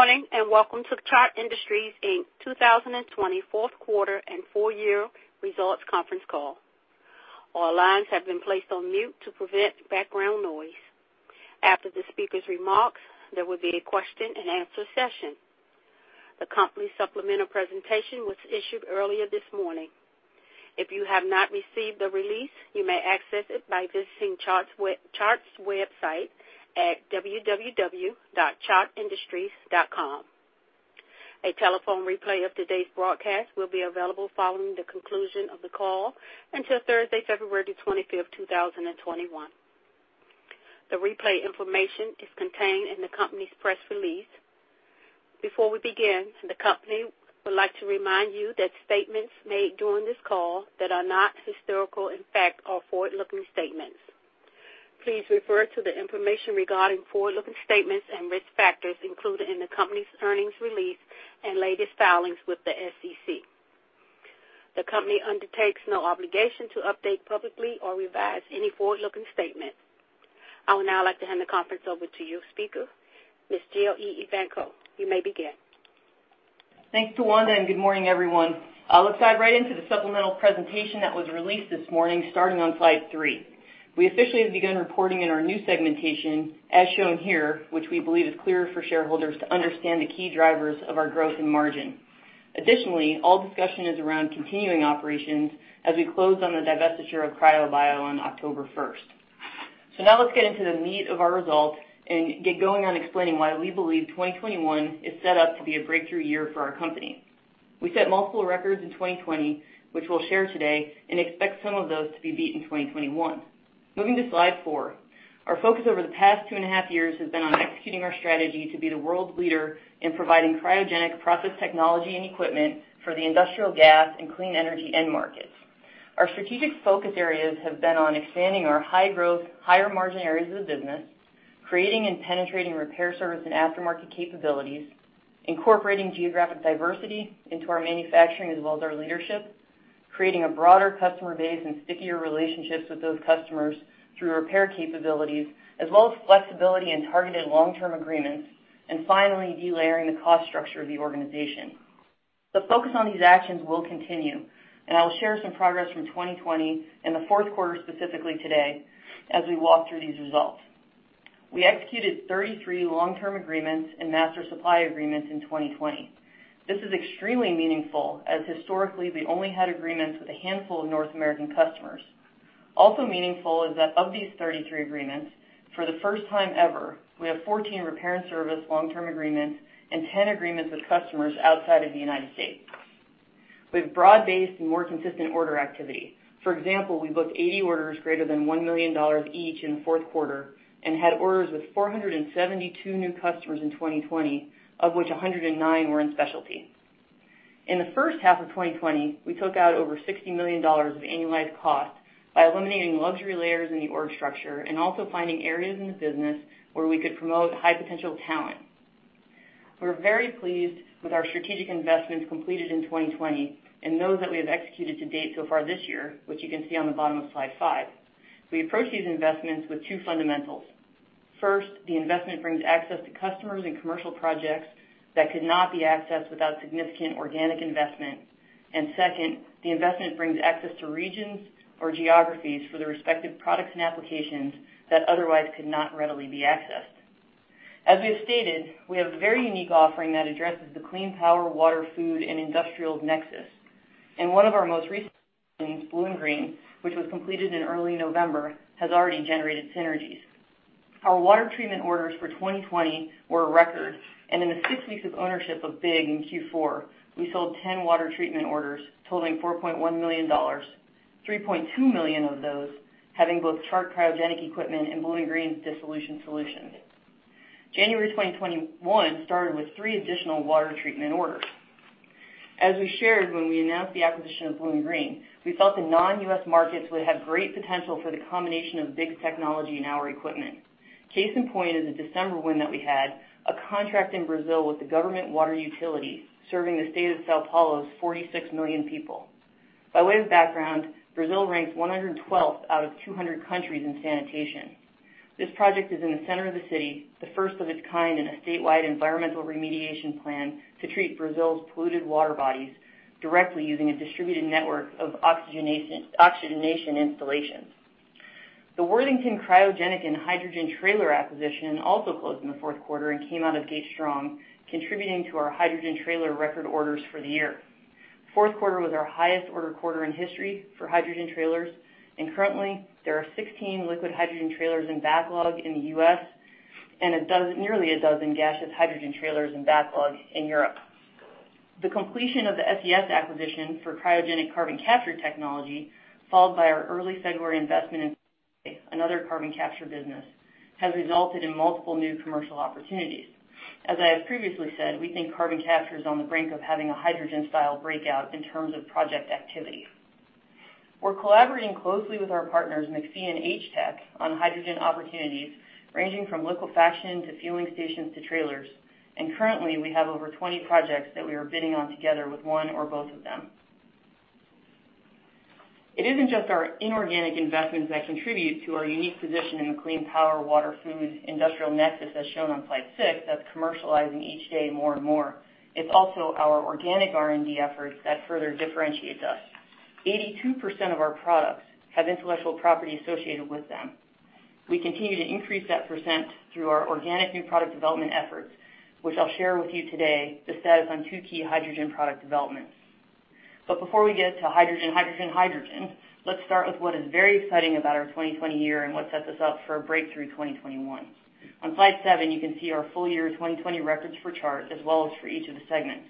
Good morning and welcome to the Chart Industries Inc. 2020 Fourth Quarter and Full-Year Results Conference Call. All lines have been placed on mute to prevent background noise. After the speaker's remarks, there will be a question-and-answer session. The company's supplemental presentation was issued earlier this morning. If you have not received the release, you may access it by visiting Chart's website at www.chartindustries.com. A telephone replay of today's broadcast will be available following the conclusion of the call until Thursday, February 25th, 2021. The replay information is contained in the company's press release. Before we begin, the company would like to remind you that statements made during this call that are not historical facts are forward-looking statements. Please refer to the information regarding forward-looking statements and risk factors included in the company's earnings release and latest filings with the SEC. The company undertakes no obligation to update publicly or revise any forward-looking statements. I would now like to hand the conference over to your speaker, Ms. Jill A. Evanko. You may begin. Thanks to Tawanda, and good morning, everyone. I'll dive right into the supplemental presentation that was released this morning, starting on slide three. We officially have begun reporting in our new segmentation, as shown here, which we believe is clear for shareholders to understand the key drivers of our growth and margin. Additionally, all discussion is around continuing operations as we close on the divestiture of CryoBio on October 1st. So now let's get into the meat of our results and get going on explaining why we believe 2021 is set up to be a breakthrough year for our company. We set multiple records in 2020, which we'll share today, and expect some of those to be beat in 2021. Moving to slide four, our focus over the past two and a half years has been on executing our strategy to be the world leader in providing cryogenic process technology and equipment for the industrial gas and clean energy end markets. Our strategic focus areas have been on expanding our high-growth, higher-margin areas of the business, creating and penetrating repair service and aftermarket capabilities, incorporating geographic diversity into our manufacturing as well as our leadership, creating a broader customer base and stickier relationships with those customers through repair capabilities, as well as flexibility and targeted long-term agreements, and finally, delayering the cost structure of the organization. The focus on these actions will continue, and I will share some progress from 2020 and the fourth quarter specifically today as we walk through these results. We executed 33 long-term agreements and master supply agreements in 2020. This is extremely meaningful as historically we only had agreements with a handful of North American customers. Also meaningful is that of these 33 agreements, for the first time ever, we have 14 repair and service long-term agreements and 10 agreements with customers outside of the United States. We have broad-based and more consistent order activity. For example, we booked 80 orders greater than $1 million each in the fourth quarter and had orders with 472 new customers in 2020, of which 109 were in specialty. In the first half of 2020, we took out over $60 million of annualized cost by eliminating luxury layers in the org structure and also finding areas in the business where we could promote high-potential talent. We're very pleased with our strategic investments completed in 2020 and those that we have executed to date so far this year, which you can see on the bottom of slide five. We approach these investments with two fundamentals. First, the investment brings access to customers and commercial projects that could not be accessed without significant organic investment. And second, the investment brings access to regions or geographies for the respective products and applications that otherwise could not readily be accessed. As we have stated, we have a very unique offering that addresses the clean power, water, food, and industrial nexus. And one of our most recent solutions, BlueInGreen, which was completed in early November, has already generated synergies. Our water treatment orders for 2020 were a record, and in the six weeks of ownership of BIG in Q4, we sold 10 water treatment orders totaling $4.1 million, $3.2 million of those having both Chart cryogenic equipment and BlueInGreen's dissolved solutions. January 2021 started with three additional water treatment orders. As we shared when we announced the acquisition of BlueInGreen, we felt the non-US markets would have great potential for the combination of BIG's technology and our equipment. Case in point is a December win that we had, a contract in Brazil with the government water utility serving the state of São Paulo's 46 million people. By way of background, Brazil ranks 112th out of 200 countries in sanitation. This project is in the center of the city, the first of its kind in a statewide environmental remediation plan to treat Brazil's polluted water bodies directly using a distributed network of oxygenation installations. The Worthington Cryogenic and Hydrogen Trailer acquisition also closed in the fourth quarter and came out of gate strong, contributing to our hydrogen trailer record orders for the year. Fourth quarter was our highest order quarter in history for hydrogen trailers, and currently, there are 16 liquid hydrogen trailers in backlog in the U.S. and nearly a dozen gaseous hydrogen trailers in backlog in Europe. The completion of the SES acquisition for cryogenic carbon capture technology, followed by our early February investment in another carbon capture business, has resulted in multiple new commercial opportunities. As I have previously said, we think carbon capture is on the brink of having a hydrogen-style breakout in terms of project activity. We're collaborating closely with our partners, McPhy and HTEC, on hydrogen opportunities ranging from liquefaction to fueling stations to trailers, and currently, we have over 20 projects that we are bidding on together with one or both of them. It isn't just our inorganic investments that contribute to our unique position in the clean power, water, food, industrial nexus, as shown on slide six, that's commercializing each day more and more. It's also our organic R&D efforts that further differentiate us. 82% of our products have intellectual property associated with them. We continue to increase that percent through our organic new product development efforts, which I'll share with you today, the status on two key hydrogen product developments. But before we get to hydrogen, hydrogen, hydrogen, let's start with what is very exciting about our 2020 year and what sets us up for a breakthrough 2021. On slide seven, you can see our full year 2020 records for Chart as well as for each of the segments.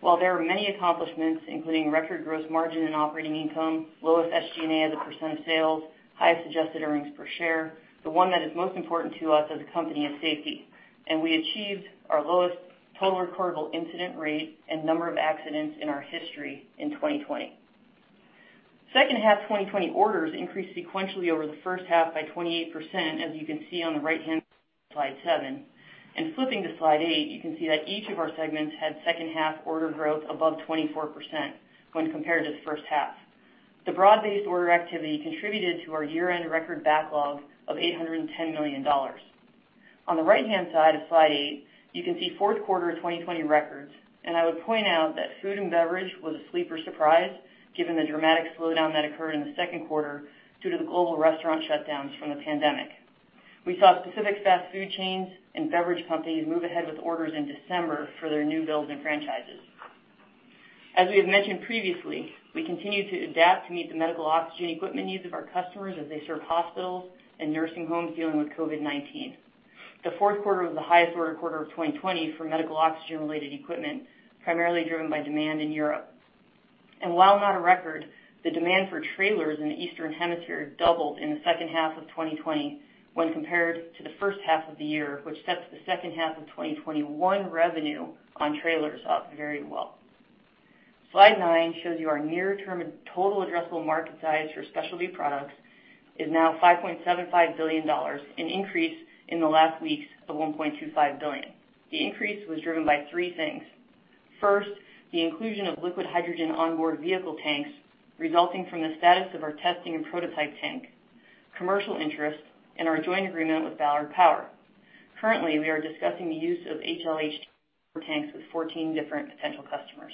While there are many accomplishments, including record gross margin and operating income, lowest SG&A as a % of sales, highest adjusted earnings per share, the one that is most important to us as a company is safety. And we achieved our lowest total recordable incident rate and number of accidents in our history in 2020. Second half 2020 orders increased sequentially over the first half by 28%, as you can see on the right-hand side of slide seven. Flipping to slide eight, you can see that each of our segments had second half order growth above 24% when compared to the first half. The broad-based order activity contributed to our year-end record backlog of $810 million. On the right-hand side of slide eight, you can see fourth quarter 2020 records, and I would point out that food and beverage was a sleeper surprise given the dramatic slowdown that occurred in the second quarter due to the global restaurant shutdowns from the pandemic. We saw specific fast food chains and beverage companies move ahead with orders in December for their new builds and franchises. As we have mentioned previously, we continue to adapt to meet the medical oxygen equipment needs of our customers as they serve hospitals and nursing homes dealing with COVID-19. The fourth quarter was the highest order quarter of 2020 for medical oxygen-related equipment, primarily driven by demand in Europe, and while not a record, the demand for trailers in the Eastern Hemisphere doubled in the second half of 2020 when compared to the first half of the year, which sets the second half of 2021 revenue on trailers up very well. Slide nine shows you our near-term total addressable market size for specialty products is now $5.75 billion, an increase in the last weeks of $1.25 billion. The increase was driven by three things. First, the inclusion of liquid hydrogen onboard vehicle tanks resulting from the status of our testing and prototype tank, commercial interest, and our joint agreement with Ballard Power. Currently, we are discussing the use of LH2 tanks with 14 different potential customers.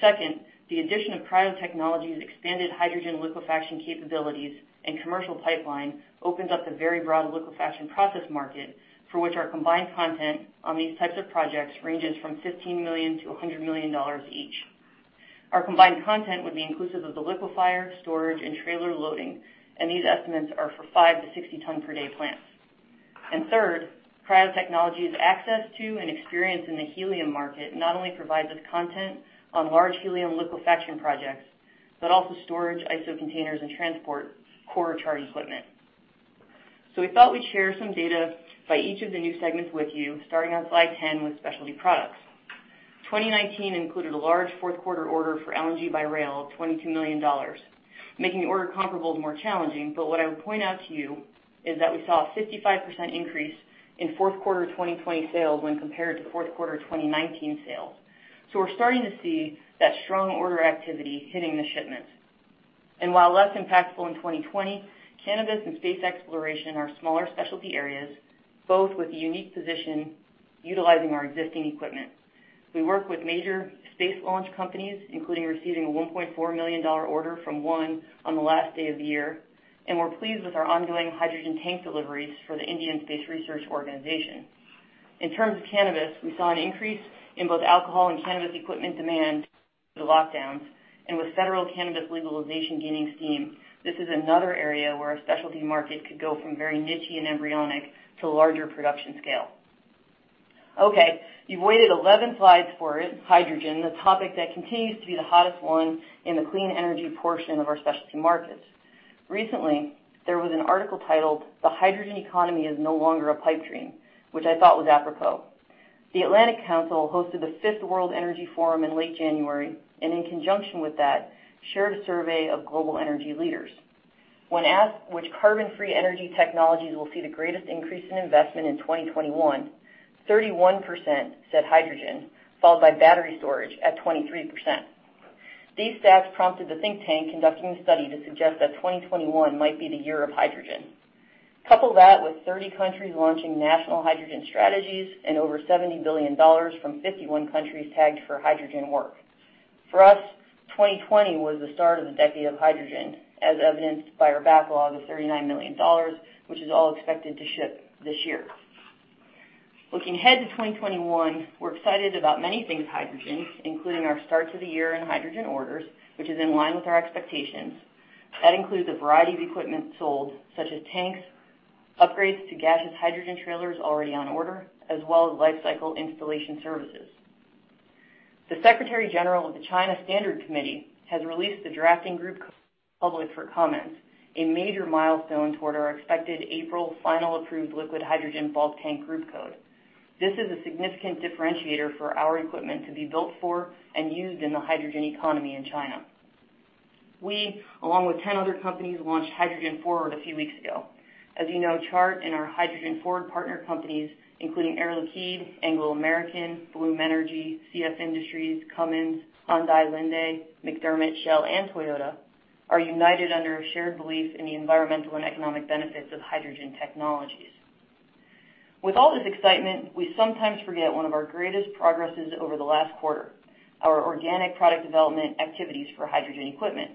Second, the addition of Cryo Technologies' expanded hydrogen liquefaction capabilities and commercial pipeline opens up the very broad liquefaction process market for which our combined content on these types of projects ranges from $15 million-$100 million each. Our combined content would be inclusive of the liquefier, storage, and trailer loading, and these estimates are for five to 60-ton per day plants. And third, Cryo Technologies' access to and experience in the helium market not only provides us content on large helium liquefaction projects, but also storage, ISO containers, and transport core Chart equipment. So we thought we'd share some data by each of the new segments with you, starting on slide 10 with specialty products. 2019 included a large fourth quarter order for LNG by rail of $22 million, making the order comparable to more challenging, but what I would point out to you is that we saw a 55% increase in fourth quarter 2020 sales when compared to fourth quarter 2019 sales. So we're starting to see that strong order activity hitting the shipments. While less impactful in 2020, cannabis and space exploration are smaller specialty areas, both with a unique position utilizing our existing equipment. We work with major space launch companies, including receiving a $1.4 million order from one on the last day of the year, and we're pleased with our ongoing hydrogen tank deliveries for the Indian Space Research Organization. In terms of cannabis, we saw an increase in both alcohol and cannabis equipment demand due to lockdowns, and with federal cannabis legalization gaining steam, this is another area where a specialty market could go from very niche and embryonic to larger production scale. Okay, you've waited 11 slides for it, hydrogen, the topic that continues to be the hottest one in the clean energy portion of our specialty markets. Recently, there was an article titled, "The Hydrogen Economy is No Longer a Pipe Dream," which I thought was apropos. The Atlantic Council hosted the fifth World Economic Forum in late January, and in conjunction with that, shared a survey of global energy leaders. When asked which carbon-free energy technologies will see the greatest increase in investment in 2021, 31% said hydrogen, followed by battery storage at 23%. These stats prompted the think tank conducting the study to suggest that 2021 might be the year of hydrogen. Couple that with 30 countries launching national hydrogen strategies and over $70 billion from 51 countries tagged for hydrogen work. For us, 2020 was the start of the decade of hydrogen, as evidenced by our backlog of $39 million, which is all expected to ship this year. Looking ahead to 2021, we're excited about many things hydrogen, including our start to the year in hydrogen orders, which is in line with our expectations. That includes a variety of equipment sold, such as tanks, upgrades to gaseous hydrogen trailers already on order, as well as life cycle installation services. The Secretary General of the China Standard Committee has released the drafting group code public for comments, a major milestone toward our expected April final approved liquid hydrogen bulk tank group code. This is a significant differentiator for our equipment to be built for and used in the hydrogen economy in China. We, along with 10 other companies, launched Hydrogen Forward a few weeks ago. As you know, Chart and our Hydrogen Forward partner companies, including Air Liquide, Anglo American, Bloom Energy, CF Industries, Cummins, Hyundai, McDermott, Shell, and Toyota, are united under a shared belief in the environmental and economic benefits of hydrogen technologies. With all this excitement, we sometimes forget one of our greatest progresses over the last quarter, our organic product development activities for hydrogen equipment.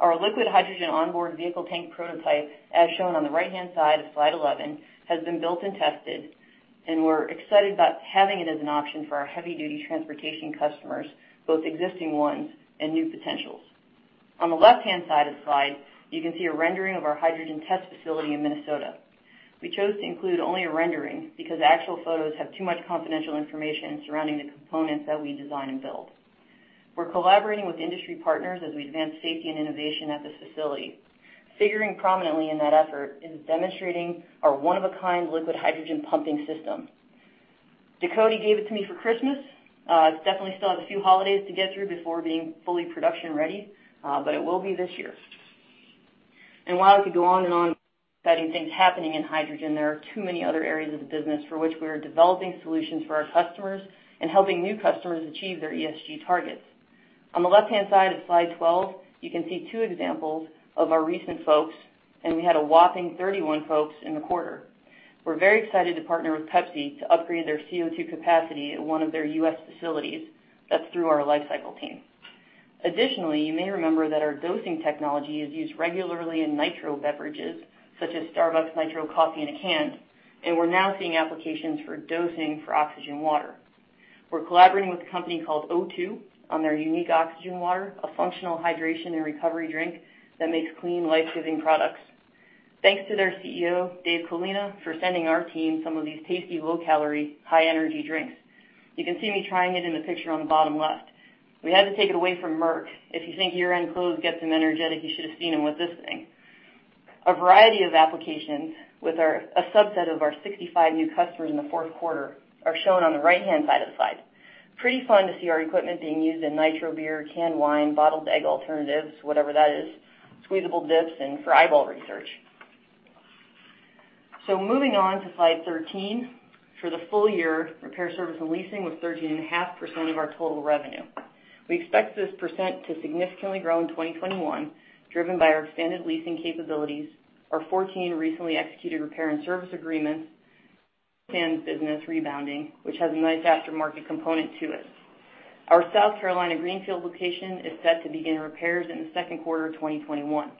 Our liquid hydrogen onboard vehicle tank prototype, as shown on the right-hand side of slide 11, has been built and tested, and we're excited about having it as an option for our heavy-duty transportation customers, both existing ones and new potentials. On the left-hand side of the slide, you can see a rendering of our hydrogen test facility in Minnesota. We chose to include only a rendering because actual photos have too much confidential information surrounding the components that we design and build. We're collaborating with industry partners as we advance safety and innovation at this facility. Figuring prominently in that effort is demonstrating our one-of-a-kind liquid hydrogen pumping system. Ducote gave it to me for Christmas. It definitely still has a few holidays to get through before being fully production ready, but it will be this year. And while I could go on and on about exciting things happening in hydrogen, there are too many other areas of the business for which we are developing solutions for our customers and helping new customers achieve their ESG targets. On the left-hand side of slide 12, you can see two examples of our recent wins, and we had a whopping 31 wins in the quarter. We're very excited to partner with Pepsi to upgrade their CO2 capacity at one of their U.S. facilities. That's through our life cycle team. Additionally, you may remember that our dosing technology is used regularly in nitro beverages such as Starbucks Nitro Coffee and a canned, and we're now seeing applications for dosing for oxygen water. We're collaborating with a company called O2 on their unique oxygen water, a functional hydration and recovery drink that makes clean, life-giving products. Thanks to their CEO, Dave Colina, for sending our team some of these tasty, low-calorie, high-energy drinks. You can see me trying it in the picture on the bottom left. We had to take it away from Merkle. If you think year-end clothes get them energetic, you should have seen them with this thing. A variety of applications with a subset of our 65 new customers in the fourth quarter are shown on the right-hand side of the slide. Pretty fun to see our equipment being used in nitro beer, canned wine, bottled egg alternatives, whatever that is, squeezable dips, and for eyeball research. Moving on to slide 13, for the full year, repair service and leasing was 13.5% of our total revenue. We expect this percent to significantly grow in 2021, driven by our extended leasing capabilities, our 14 recently executed repair and service agreements, and business rebounding, which has a nice aftermarket component to it. Our South Carolina greenfield location is set to begin repairs in the second quarter of 2021.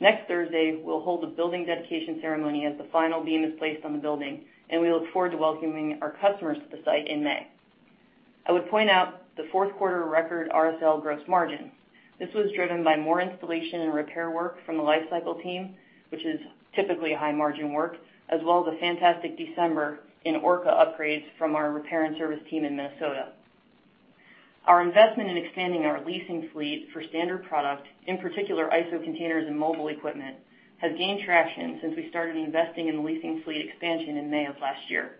Next Thursday, we'll hold a building dedication ceremony as the final beam is placed on the building, and we look forward to welcoming our customers to the site in May. I would point out the fourth quarter record RSL gross margin. This was driven by more installation and repair work from the life cycle team, which is typically high-margin work, as well as a fantastic December in Orca upgrades from our repair and service team in Minnesota. Our investment in expanding our leasing fleet for standard product, in particular ISO containers and mobile equipment, has gained traction since we started investing in the leasing fleet expansion in May of last year.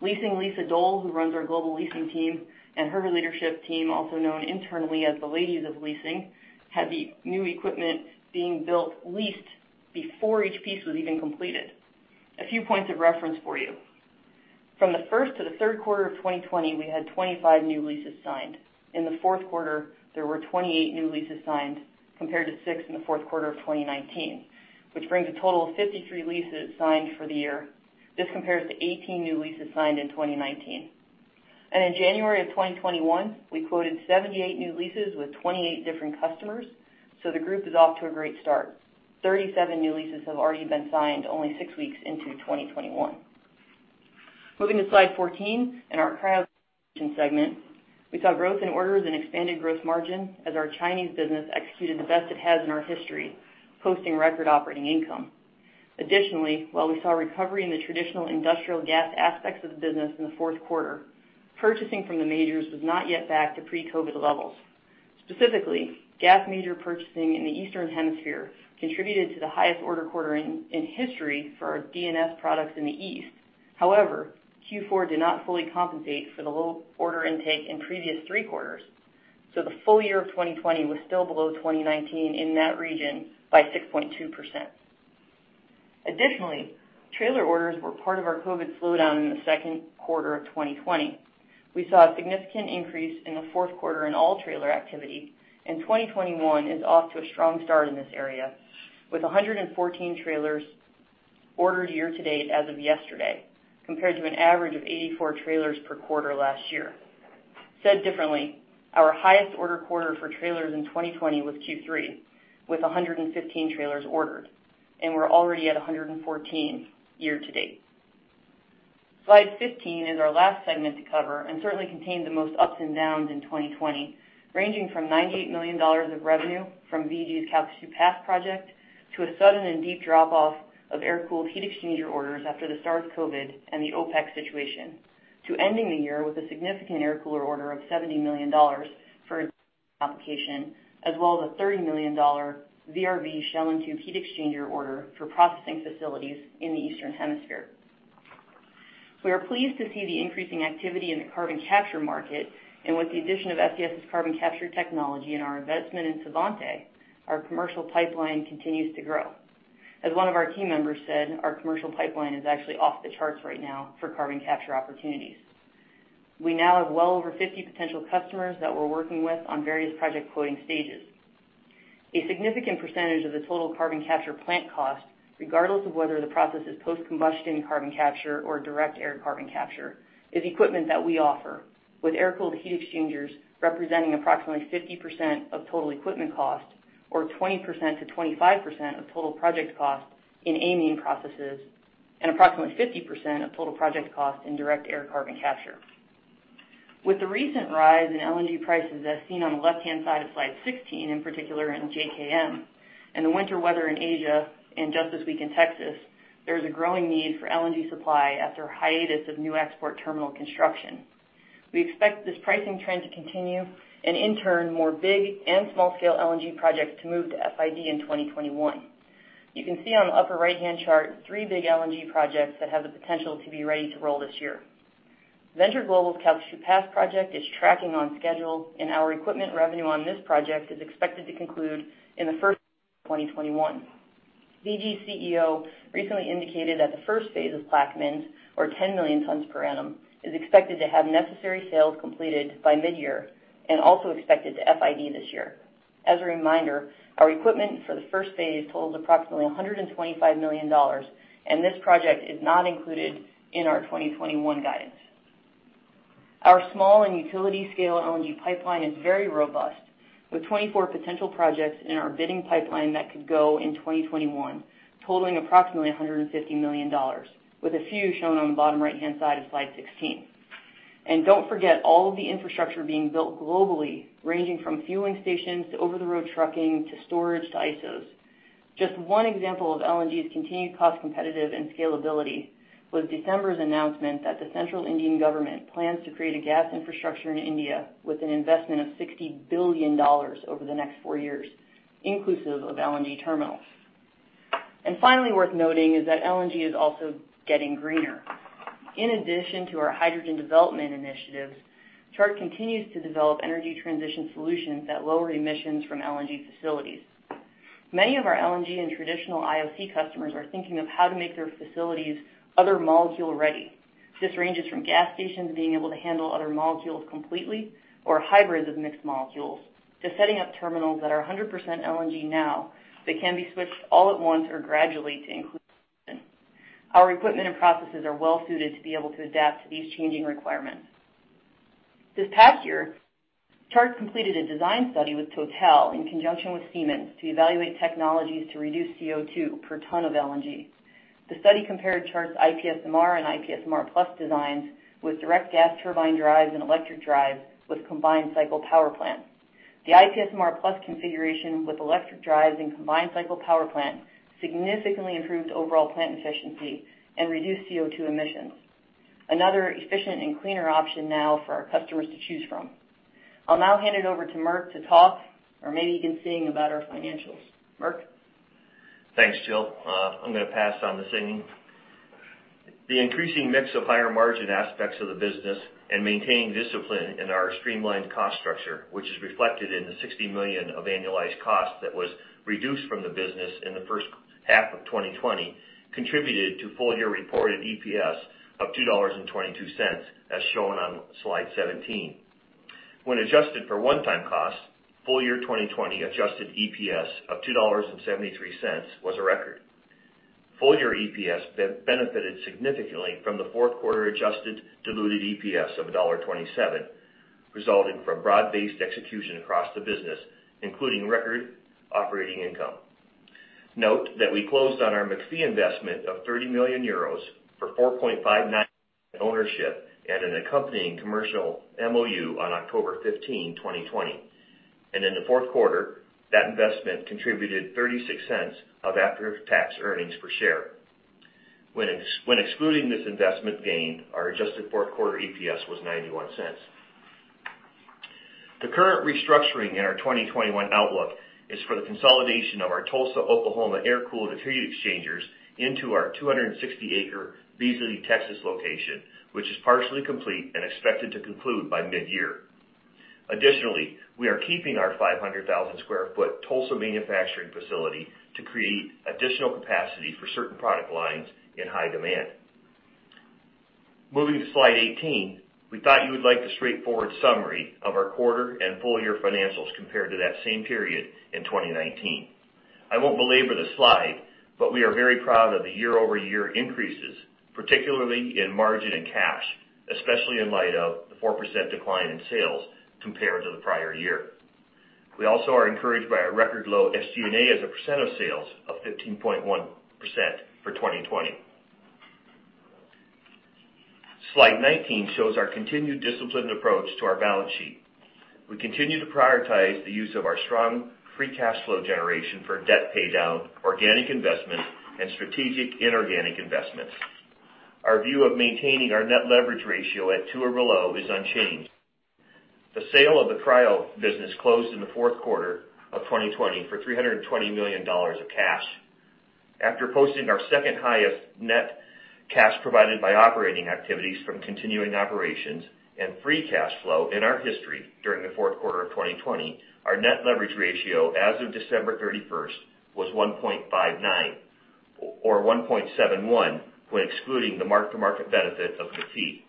Led by Lisa Dohl, who runs our global leasing team, and her leadership team, also known internally as the Ladies of Leasing, had the new equipment being built leased before each piece was even completed. A few points of reference for you. From the first to the third quarter of 2020, we had 25 new leases signed. In the fourth quarter, there were 28 new leases signed compared to six in the fourth quarter of 2019, which brings a total of 53 leases signed for the year. This compares to 18 new leases signed in 2019. And in January of 2021, we quoted 78 new leases with 28 different customers, so the group is off to a great start. 37 new leases have already been signed only six weeks into 2021. Moving to slide 14, in our Cryo Tank Solutions segment, we saw growth in orders and expanded gross margin as our Chinese business executed the best it has in our history, posting record operating income. Additionally, while we saw recovery in the traditional industrial gas aspects of the business in the fourth quarter, purchasing from the majors was not yet back to pre-COVID levels. Specifically, gas major purchasing in the Eastern Hemisphere contributed to the highest order quarter in history for our D&S products in the east. However, Q4 did not fully compensate for the low order intake in previous three quarters, so the full year of 2020 was still below 2019 in that region by 6.2%. Additionally, trailer orders were part of our COVID slowdown in the second quarter of 2020. We saw a significant increase in the fourth quarter in all trailer activity, and 2021 is off to a strong start in this area with 114 trailers ordered year-to-date as of yesterday, compared to an average of 84 trailers per quarter last year. Said differently, our highest order quarter for trailers in 2020 was Q3 with 115 trailers ordered, and we're already at 114 year-to-date. Slide 15 is our last segment to cover and certainly contained the most ups and downs in 2020, ranging from $98 million of revenue from VG's Calcasieu Pass project to a sudden and deep drop-off of air-cooled heat exchanger orders after the start of COVID and the OPEC situation, to ending the year with a significant air-cooler order of $70 million for its application, as well as a $30 million VRV Shell and Tube Heat Exchanger order for processing facilities in the Eastern Hemisphere. We are pleased to see the increasing activity in the carbon capture market, and with the addition of SES carbon capture technology and our investment in Svante, our commercial pipeline continues to grow. As one of our team members said, our commercial pipeline is actually off the charts right now for carbon capture opportunities. We now have well over 50 potential customers that we're working with on various project quoting stages. A significant percentage of the total carbon capture plant cost, regardless of whether the process is post-combustion carbon capture or direct air carbon capture, is equipment that we offer, with air-cooled heat exchangers representing approximately 50% of total equipment cost or 20%-25% of total project cost in amine processes and approximately 50% of total project cost in direct air carbon capture. With the recent rise in LNG prices as seen on the left-hand side of slide 16, in particular in JKM, and the winter weather in Asia and just this week in Texas, there is a growing need for LNG supply after a hiatus of new export terminal construction. We expect this pricing trend to continue and, in turn, more big and small-scale LNG projects to move to FID in 2021. You can see on the upper right-hand chart three big LNG projects that have the potential to be ready to roll this year. Venture Global's Calcasieu Pass project is tracking on schedule, and our equipment revenue on this project is expected to conclude in the first quarter of 2021. VG's CEO recently indicated that the first phase of Plaquemines, or 10 million tons per annum, is expected to have necessary sales completed by mid-year and also expected to FID this year. As a reminder, our equipment for the first phase totals approximately $125 million, and this project is not included in our 2021 guidance. Our small and utility-scale LNG pipeline is very robust, with 24 potential projects in our bidding pipeline that could go in 2021, totaling approximately $150 million, with a few shown on the bottom right-hand side of slide 16. And don't forget all of the infrastructure being built globally, ranging from fueling stations to over-the-road trucking to storage to ISOs. Just one example of LNG's continued cost competitive and scalability was December's announcement that the Central Indian government plans to create a gas infrastructure in India with an investment of $60 billion over the next four years, inclusive of LNG terminals. And finally, worth noting is that LNG is also getting greener. In addition to our hydrogen development initiatives, Chart continues to develop energy transition solutions that lower emissions from LNG facilities. Many of our LNG and traditional IOC customers are thinking of how to make their facilities other-molecule ready. This ranges from gas stations being able to handle other molecules completely or hybrids of mixed molecules to setting up terminals that are 100% LNG now that can be switched all at once or gradually to include hydrogen. Our equipment and processes are well-suited to be able to adapt to these changing requirements. This past year, Chart completed a design study with Total in conjunction with Siemens to evaluate technologies to reduce CO2 per ton of LNG. The study compared Chart's IPSMR and IPSMR Plus designs with direct gas turbine drives and electric drives with combined cycle power plants. The IPSMR Plus configuration with electric drives and combined cycle power plant significantly improved overall plant efficiency and reduced CO2 emissions. Another efficient and cleaner option now for our customers to choose from. I'll now hand it over to Merkle to talk, or maybe you can sing about our financials. Merkle. Thanks, Jill. I'm going to pass on the singing. The increasing mix of higher margin aspects of the business and maintaining discipline in our streamlined cost structure, which is reflected in the $60 million of annualized cost that was reduced from the business in the first half of 2020, contributed to full-year reported EPS of $2.22, as shown on slide 17. When adjusted for one-time cost, full-year 2020 adjusted EPS of $2.73 was a record. Full-year EPS benefited significantly from the fourth quarter adjusted diluted EPS of $1.27, resulting from broad-based execution across the business, including record operating income. Note that we closed on our McPhy investment of 30 million euros for 4.59% ownership and an accompanying commercial MOU on October 15, 2020, and in the fourth quarter, that investment contributed $0.36 of after-tax earnings per share. When excluding this investment gain, our adjusted fourth quarter EPS was $0.91. The current restructuring in our 2021 outlook is for the consolidation of our Tulsa, Oklahoma air-cooled heat exchangers into our 260-acre Beasley, Texas, location, which is partially complete and expected to conclude by mid-year. Additionally, we are keeping our 500,000 sq ft Tulsa manufacturing facility to create additional capacity for certain product lines in high demand. Moving to slide 18, we thought you would like the straightforward summary of our quarter and full-year financials compared to that same period in 2019. I won't belabor the slide, but we are very proud of the year-over-year increases, particularly in margin and cash, especially in light of the 4% decline in sales compared to the prior year. We also are encouraged by our record low SG&A as a percent of sales of 15.1% for 2020. Slide 19 shows our continued disciplined approach to our balance sheet. We continue to prioritize the use of our strong free cash flow generation for debt paydown, organic investment, and strategic inorganic investments. Our view of maintaining our net leverage ratio at two or below is unchanged. The sale of the Cryo business closed in the fourth quarter of 2020 for $320 million of cash. After posting our second highest net cash provided by operating activities from continuing operations and free cash flow in our history during the fourth quarter of 2020, our net leverage ratio as of December 31st was 1.59 or 1.71 when excluding the mark-to-market benefit of McPhy.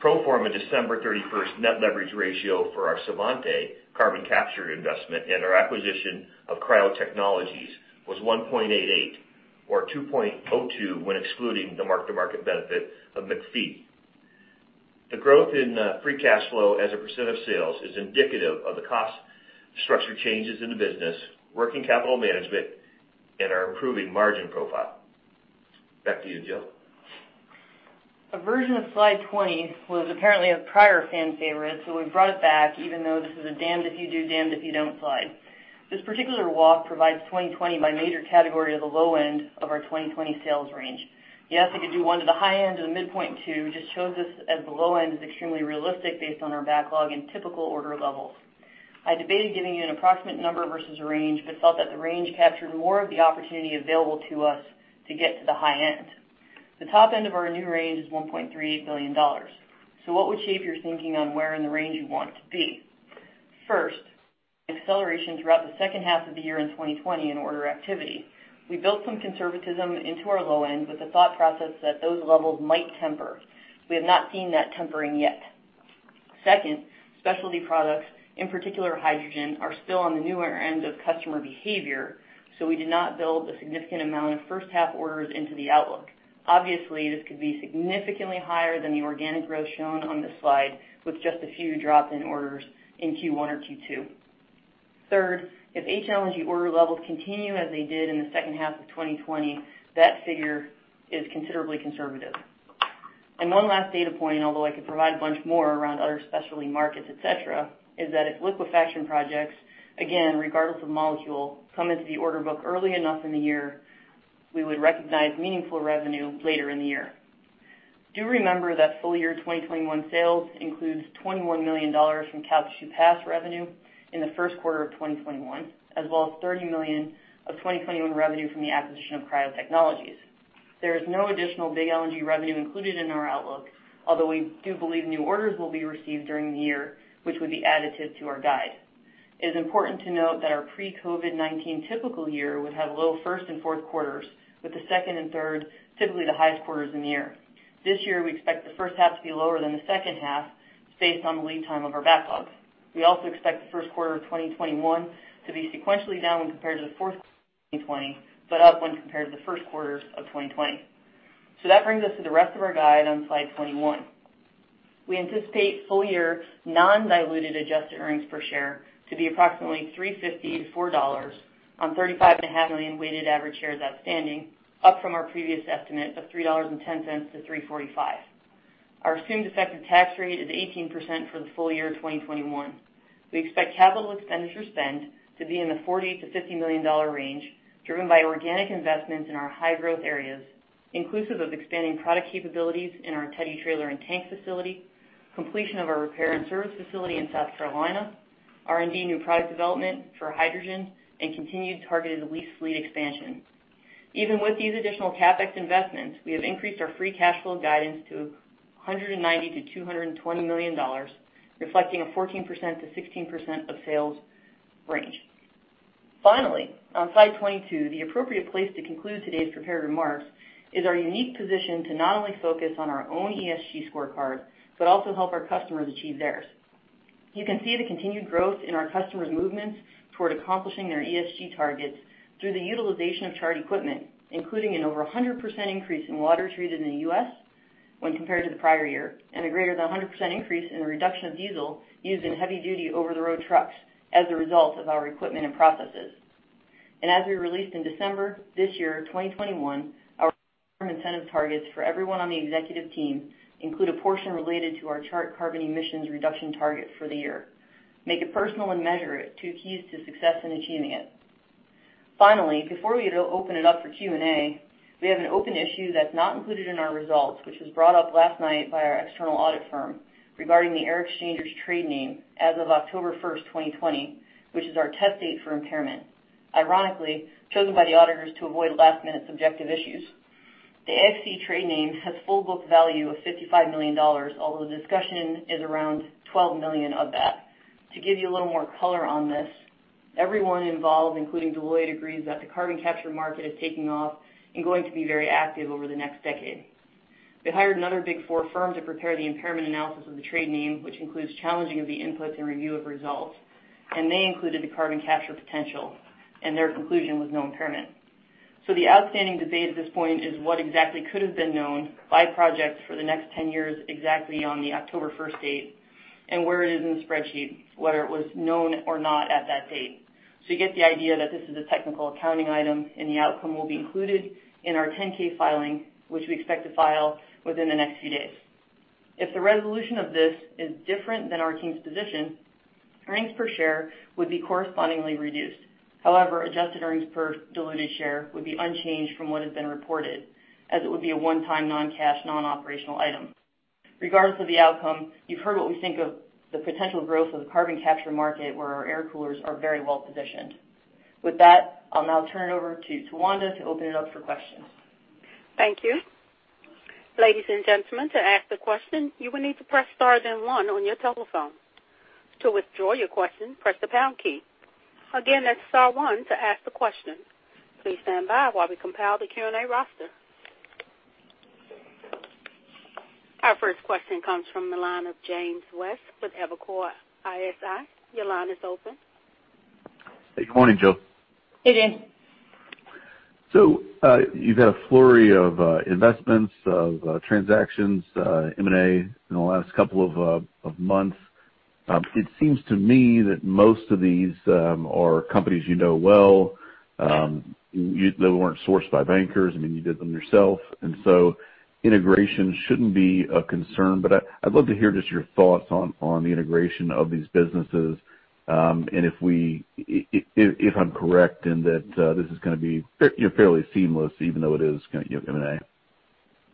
Pro forma December 31st net leverage ratio for our Svante carbon capture investment and our acquisition of Cryo Technologies was 1.88 or 2.02 when excluding the mark-to-market benefit of McPhy. The growth in free cash flow as a % of sales is indicative of the cost structure changes in the business, working capital management, and our improving margin profile. Back to you, Jill. A version of slide 20 was apparently a prior fan favorite, so we brought it back, even though this is a damned if you do, damned if you don't slide. This particular walk provides 2020 by major category to the low end of our 2020 sales range. Yes, it could do one to the high end or the midpoint too. It just shows us as the low end is extremely realistic based on our backlog and typical order levels. I debated giving you an approximate number versus a range, but felt that the range captured more of the opportunity available to us to get to the high end. The top end of our new range is $1.38 billion. So what would shape your thinking on where in the range you want it to be? First, acceleration throughout the second half of the year in 2020 in order activity. We built some conservatism into our low end with the thought process that those levels might temper. We have not seen that tempering yet. Second, specialty products, in particular hydrogen, are still on the newer end of customer behavior, so we did not build a significant amount of first-half orders into the outlook. Obviously, this could be significantly higher than the organic growth shown on this slide with just a few drop-in orders in Q1 or Q2. Third, if LNG order levels continue as they did in the second half of 2020, that figure is considerably conservative. One last data point, although I could provide a bunch more around other specialty markets, etc., is that if liquefaction projects, again, regardless of molecule, come into the order book early enough in the year, we would recognize meaningful revenue later in the year. Do remember that full-year 2021 sales includes $21 million from Calcasieu Pass revenue in the first quarter of 2021, as well as $30 million of 2021 revenue from the acquisition of Cryo Technologies. There is no additional big LNG revenue included in our outlook, although we do believe new orders will be received during the year, which would be additive to our guide. It is important to note that our pre-COVID-19 typical year would have low first and fourth quarters, with the second and third typically the highest quarters in the year. This year, we expect the first half to be lower than the second half based on the lead time of our backlog. We also expect the first quarter of 2021 to be sequentially down when compared to the fourth quarter of 2020, but up when compared to the first quarter of 2020. So that brings us to the rest of our guide on slide 21. We anticipate full-year non-diluted adjusted earnings per share to be approximately $3.50-$4 on 35.5 million weighted average shares outstanding, up from our previous estimate of $3.10-$3.45. Our assumed effective tax rate is 18% for the full year of 2021. We expect capital expenditure spend to be in the $40-$50 million range, driven by organic investments in our high-growth areas, inclusive of expanding product capabilities in our Theodore Trailer and Tank facility, completion of our repair and service facility in South Carolina, R&D new product development for hydrogen, and continued targeted lease fleet expansion. Even with these additional CapEx investments, we have increased our free cash flow guidance to $190-$220 million, reflecting a 14%-16% of sales range. Finally, on slide 22, the appropriate place to conclude today's prepared remarks is our unique position to not only focus on our own ESG scorecard but also help our customers achieve theirs. You can see the continued growth in our customers' movements toward accomplishing their ESG targets through the utilization of Chart equipment, including an over 100% increase in water treated in the U.S. when compared to the prior year and a greater than 100% increase in the reduction of diesel used in heavy-duty over-the-road trucks as a result of our equipment and processes. And as we released in December this year, 2021, our incentive targets for everyone on the executive team include a portion related to our Chart carbon emissions reduction target for the year. Make it personal and measure it. Two keys to success in achieving it. Finally, before we open it up for Q&A, we have an open issue that's not included in our results, which was brought up last night by our external audit firm regarding the Air-X-Changers trade name as of October 1st, 2020, which is our test date for impairment, ironically chosen by the auditors to avoid last-minute subjective issues. The Air-X-Changers trade name has full book value of $55 million, although the discussion is around $12 million of that. To give you a little more color on this, everyone involved, including Deloitte, agrees that the carbon capture market is taking off and going to be very active over the next decade. We hired another Big Four firm to prepare the impairment analysis of the trade name, which includes challenging of the inputs and review of results, and they included the carbon capture potential, and their conclusion was no impairment. The outstanding debate at this point is what exactly could have been known by projects for the next 10 years exactly on the October 1st date and where it is in the spreadsheet, whether it was known or not at that date. You get the idea that this is a technical accounting item, and the outcome will be included in our 10-K filing, which we expect to file within the next few days. If the resolution of this is different than our team's position, earnings per share would be correspondingly reduced. However, adjusted earnings per diluted share would be unchanged from what has been reported, as it would be a one-time non-cash, non-operational item. Regardless of the outcome, you've heard what we think of the potential growth of the carbon capture market where our air coolers are very well positioned. With that, I'll now turn it over to Tawanda to open it up for questions. Thank you. Ladies and gentlemen, to ask a question, you will need to press star then one on your telephone. To withdraw your question, press the pound key. Again, that's star one to ask the question. Please stand by while we compile the Q&A roster. Our first question comes from the line of James West with Evercore ISI. Your line is open. Hey, good morning, Jill. Hey, James. So you've had a flurry of investments, of transactions, M&A in the last couple of months. It seems to me that most of these are companies you know well. They weren't sourced by bankers. I mean, you did them yourself. And so integration shouldn't be a concern, but I'd love to hear just your thoughts on the integration of these businesses and if I'm correct in that this is going to be fairly seamless, even though it is M&A.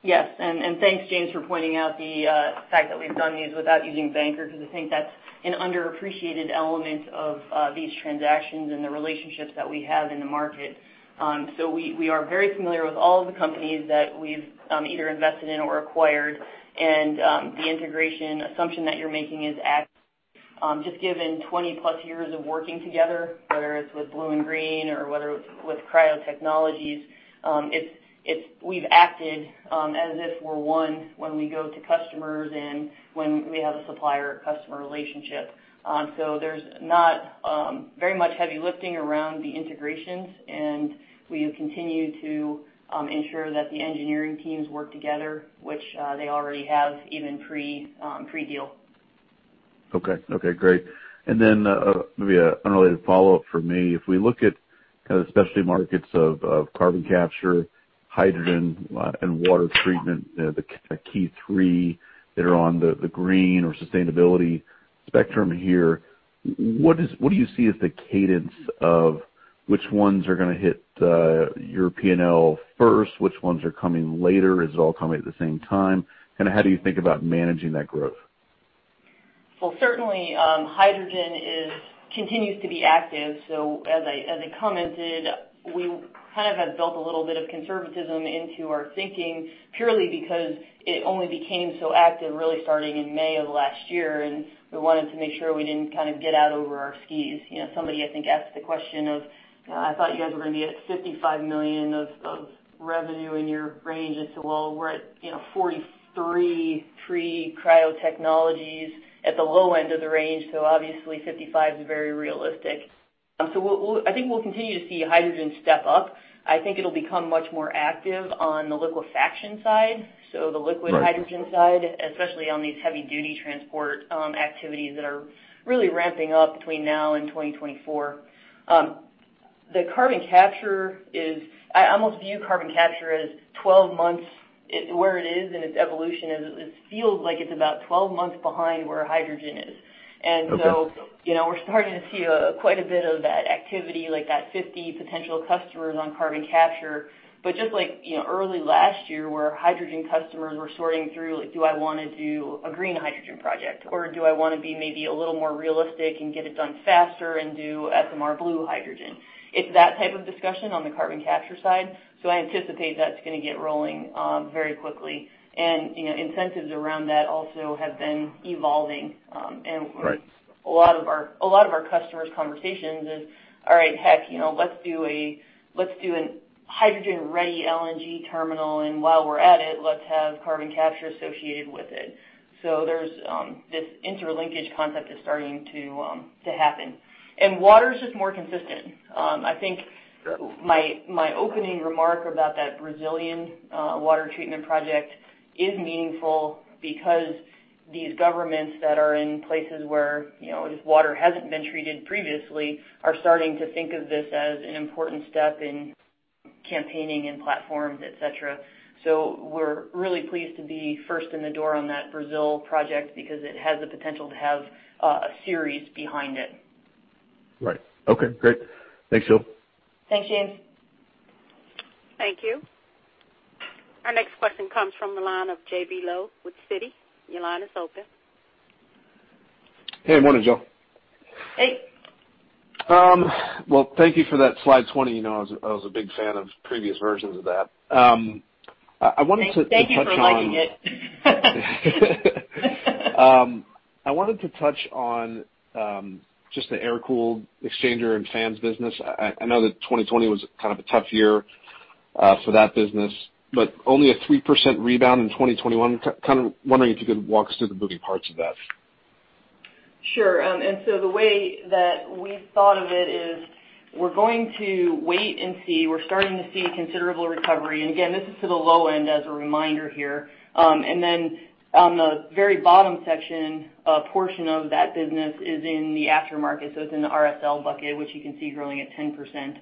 Yes. And thanks, James, for pointing out the fact that we've done these without using bankers because I think that's an underappreciated element of these transactions and the relationships that we have in the market. So we are very familiar with all of the companies that we've either invested in or acquired, and the integration assumption that you're making is just given 20-plus years of working together, whether it's with BlueInGreen or whether it's with Cryo Technologies. We've acted as if we're one when we go to customers and when we have a supplier-customer relationship. So there's not very much heavy lifting around the integrations, and we continue to ensure that the engineering teams work together, which they already have even pre-deal. Okay. Okay. Great. And then maybe an unrelated follow-up for me. If we look at kind of the specialty markets of carbon capture, hydrogen, and water treatment, the key three that are on the green or sustainability spectrum here, what do you see as the cadence of which ones are going to hit your P&L first? Which ones are coming later? Is it all coming at the same time? Kind of how do you think about managing that growth? Well, certainly, hydrogen continues to be active. As I commented, we kind of have built a little bit of conservatism into our thinking purely because it only became so active really starting in May of last year, and we wanted to make sure we didn't kind of get out over our skis. Somebody, I think, asked the question of, "I thought you guys were going to be at $55 million of revenue in your range." I said, "Well, we're at $43 million pre-Cryo Technologies at the low end of the range." Obviously, $55 million is very realistic. I think we'll continue to see hydrogen step up. I think it'll become much more active on the liquefaction side, so the liquid hydrogen side, especially on these heavy-duty transport activities that are really ramping up between now and 2024. The carbon capture is. I almost view carbon capture as 12 months where it is in its evolution. It feels like it's about 12 months behind where hydrogen is, and so we're starting to see quite a bit of that activity, like, that 50 potential customers on carbon capture, but just like early last year where hydrogen customers were sorting through, "Do I want to do a green hydrogen project, or do I want to be maybe a little more realistic and get it done faster and do SMR blue hydrogen?" It's that type of discussion on the carbon capture side, so I anticipate that's going to get rolling very quickly, and incentives around that also have been evolving, and a lot of our customers' conversations is, "All right, heck, let's do a hydrogen-ready LNG terminal, and while we're at it, let's have carbon capture associated with it," so this interlinkage concept is starting to happen, and water is just more consistent. I think my opening remark about that Brazilian water treatment project is meaningful because these governments that are in places where just water hasn't been treated previously are starting to think of this as an important step in campaigning and platforms, etc. So we're really pleased to be first in the door on that Brazil project because it has the potential to have a series behind it. Right. Okay. Great. Thanks, Jill. Thanks, James. Thank you. Our next question comes from the line of JB Lowe with Citi. Your line is open. Hey, good morning, Jill. Hey. Well, thank you for that slide 20. I was a big fan of previous versions of that. I wanted to touch on. Thank you for liking it. I wanted to touch on just the air-cooled exchanger and fans business. I know that 2020 was kind of a tough year for that business, but only a 3% rebound in 2021. Kind of wondering if you could walk us through the moving parts of that. Sure. And so the way that we've thought of it is we're going to wait and see. We're starting to see considerable recovery. And again, this is to the low end as a reminder here. And then on the very bottom section, a portion of that business is in the aftermarket. So it's in the RSL bucket, which you can see growing at 10%.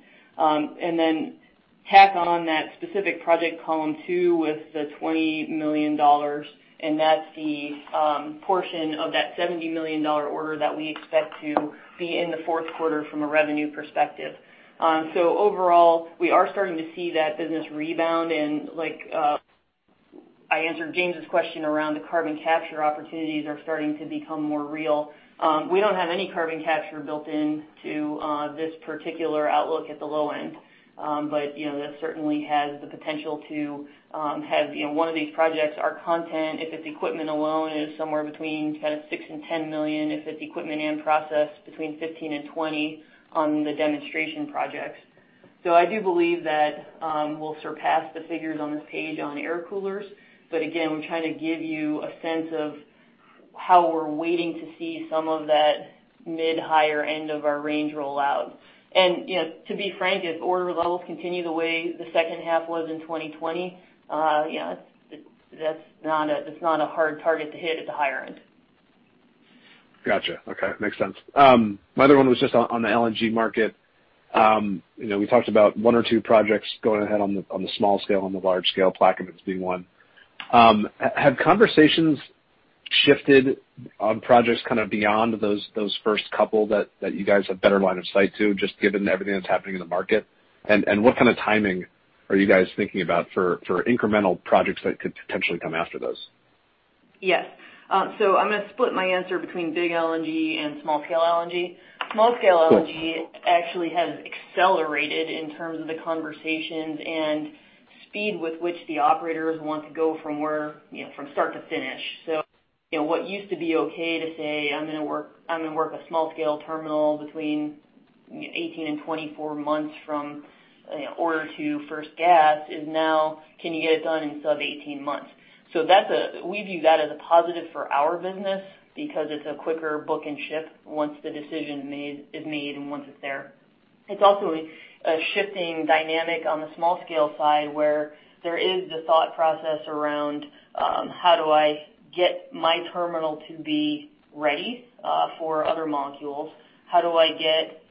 And then tack on that specific project column two with the $20 million, and that's the portion of that $70 million order that we expect to be in the fourth quarter from a revenue perspective. So overall, we are starting to see that business rebound. And I answered James' question around the carbon capture opportunities, which are starting to become more real. We don't have any carbon capture built into this particular outlook at the low end, but that certainly has the potential to have one of these projects. Our content, if it's equipment alone, is somewhere between kind of $6-$10 million. If it's equipment and process, between $15-$20 million on the demonstration projects. So I do believe that we'll surpass the figures on this page on air coolers, but again, we're trying to give you a sense of how we're waiting to see some of that mid-higher end of our range rollout. And to be frank, if order levels continue the way the second half was in 2020, that's not a hard target to hit at the higher end. Gotcha. Okay. Makes sense. My other one was just on the LNG market. We talked about one or two projects going ahead on the small scale and the large scale. Plaquemines' being one. Have conversations shifted on projects kind of beyond those first couple that you guys have better line of sight to, just given everything that's happening in the market? And what kind of timing are you guys thinking about for incremental projects that could potentially come after those? Yes. So I'm going to split my answer between big LNG and small scale LNG. Small scale LNG actually has accelerated in terms of the conversations and speed with which the operators want to go from start to finish. So what used to be okay to say, "I'm going to work a small scale terminal between 18 and 24 months from order to first gas," is now, "Can you get it done in sub-18 months?" So we view that as a positive for our business because it's a quicker book and ship once the decision is made and once it's there. It's also a shifting dynamic on the small scale side where there is the thought process around, "How do I get my terminal to be ready for other molecules? How do I get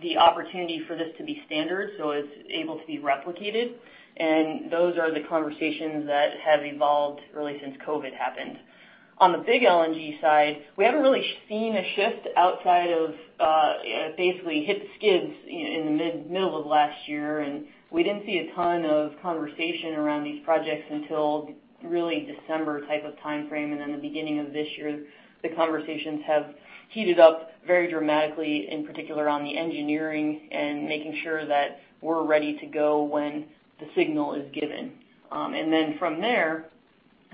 the opportunity for this to be standard so it's able to be replicated?" And those are the conversations that have evolved really since COVID happened. On the big LNG side, we haven't really seen a shift outside of basically hit the skids in the middle of last year, and we didn't see a ton of conversation around these projects until really December type of timeframe. And then the beginning of this year, the conversations have heated up very dramatically, in particular on the engineering and making sure that we're ready to go when the signal is given. And then from there,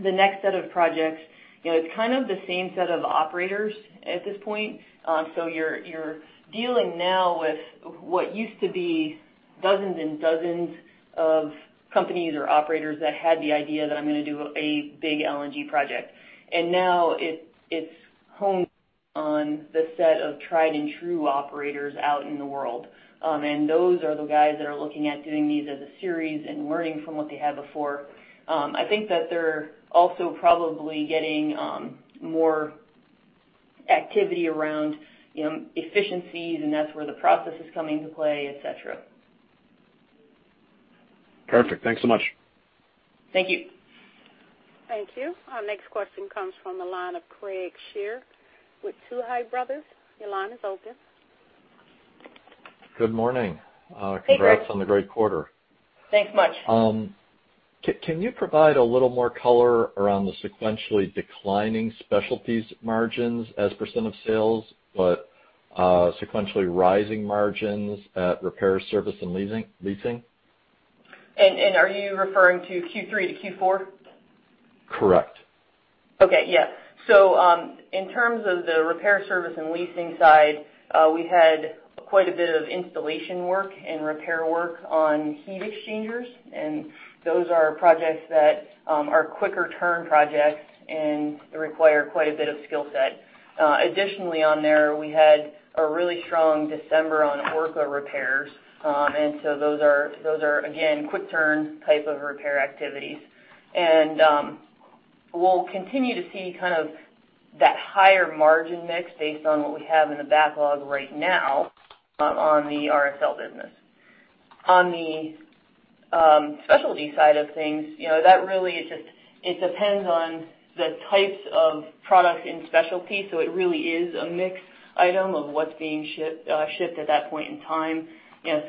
the next set of projects, it's kind of the same set of operators at this point. So you're dealing now with what used to be dozens and dozens of companies or operators that had the idea that, "I'm going to do a big LNG project." And now it's honed on the set of tried-and-true operators out in the world. And those are the guys that are looking at doing these as a series and learning from what they had before. I think that they're also probably getting more activity around efficiencies, and that's where the process is coming to play, etc. Perfect. Thanks so much. Thank you. Thank you. Our next question comes from the line of Craig Shere with Tuohy Brothers. Your line is open. Good morning. Hey, Greg. Congrats on the great quarter. Thanks much. Can you provide a little more color around the sequentially declining specialties margins as % of sales, but sequentially rising margins at repair, service, and leasing? And are you referring to Q3 to Q4? Correct. Okay. Yes. So in terms of the repair, service, and leasing side, we had quite a bit of installation work and repair work on heat exchangers. And those are projects that are quicker-turn projects and require quite a bit of skill set. Additionally, on there, we had a really strong December on Orca repairs. And so those are, again, quick-turn type of repair activities. And we'll continue to see kind of that higher margin mix based on what we have in the backlog right now on the RSL business. On the specialty side of things, that really is just it depends on the types of products in specialty. So it really is a mixed item of what's being shipped at that point in time.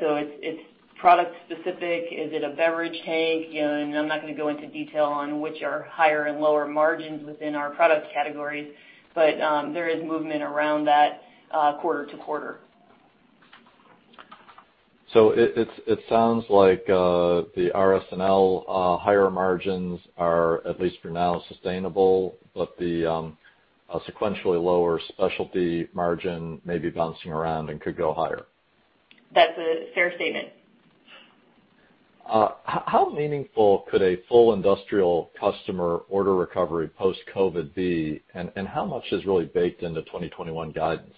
So it's product-specific. Is it a beverage tank? And I'm not going to go into detail on which are higher and lower margins within our product categories, but there is movement around that quarter to quarter. It sounds like the RSL higher margins are, at least for now, sustainable, but the sequentially lower specialty margin may be bouncing around and could go higher. That's a fair statement. How meaningful could a full industrial customer order recovery post-COVID be? And how much is really baked into 2021 guidance?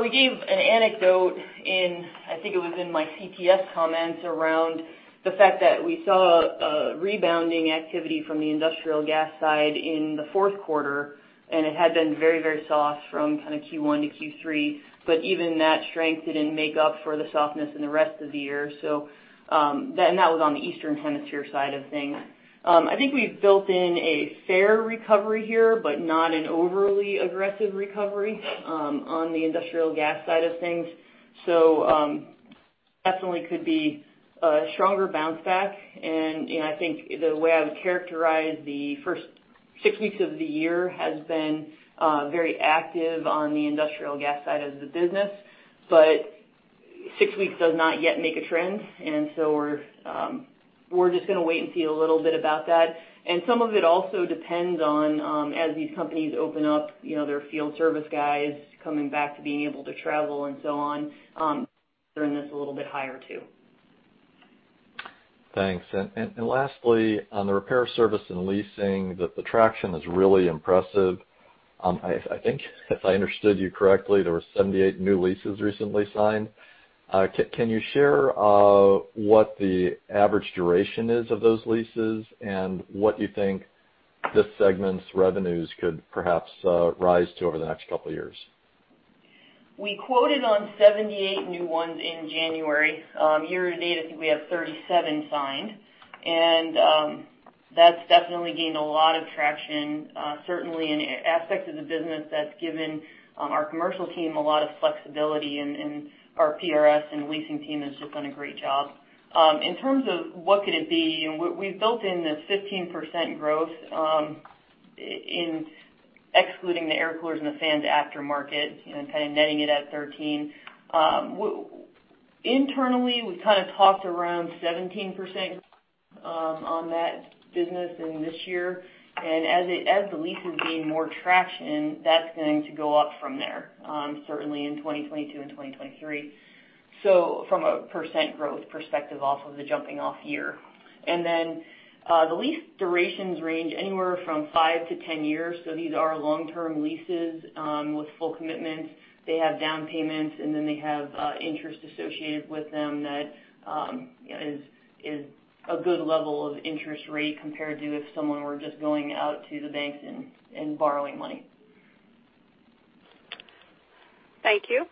We gave an anecdote in, I think it was in my CTS comments around the fact that we saw rebounding activity from the industrial gas side in the fourth quarter, and it had been very, very soft from kind of Q1 to Q3. But even that strength didn't make up for the softness in the rest of the year. That was on the Eastern Hemisphere side of things. I think we've built in a fair recovery here, but not an overly aggressive recovery on the industrial gas side of things. So definitely could be a stronger bounce back. And I think the way I would characterize the first six weeks of the year has been very active on the industrial gas side of the business, but six weeks does not yet make a trend. And so we're just going to wait and see a little bit about that. And some of it also depends on, as these companies open up, their field service guys coming back to being able to travel and so on, turning this a little bit higher too. Thanks. And lastly, on the repair, service, and leasing, the traction is really impressive. I think, if I understood you correctly, there were 78 new leases recently signed. Can you share what the average duration is of those leases and what you think this segment's revenues could perhaps rise to over the next couple of years? We quoted on 78 new ones in January. Year to date, I think we have 37 signed. And that's definitely gained a lot of traction, certainly in aspects of the business that's given our commercial team a lot of flexibility. And our RSL and leasing team has just done a great job. In terms of what could it be, we've built in this 15% growth, excluding the air coolers and the fans aftermarket, and kind of netting it at 13%. Internally, we've kind of talked around 17% growth on that business in this year. And as the lease is gaining more traction, that's going to go up from there, certainly in 2022 and 2023, from a percent growth perspective off of the jumping-off year. And then the lease durations range anywhere from 5 to 10 years. So these are long-term leases with full commitments. They have down payments, and then they have interest associated with them that is a good level of interest rate compared to if someone were just going out to the banks and borrowing money. Thank you.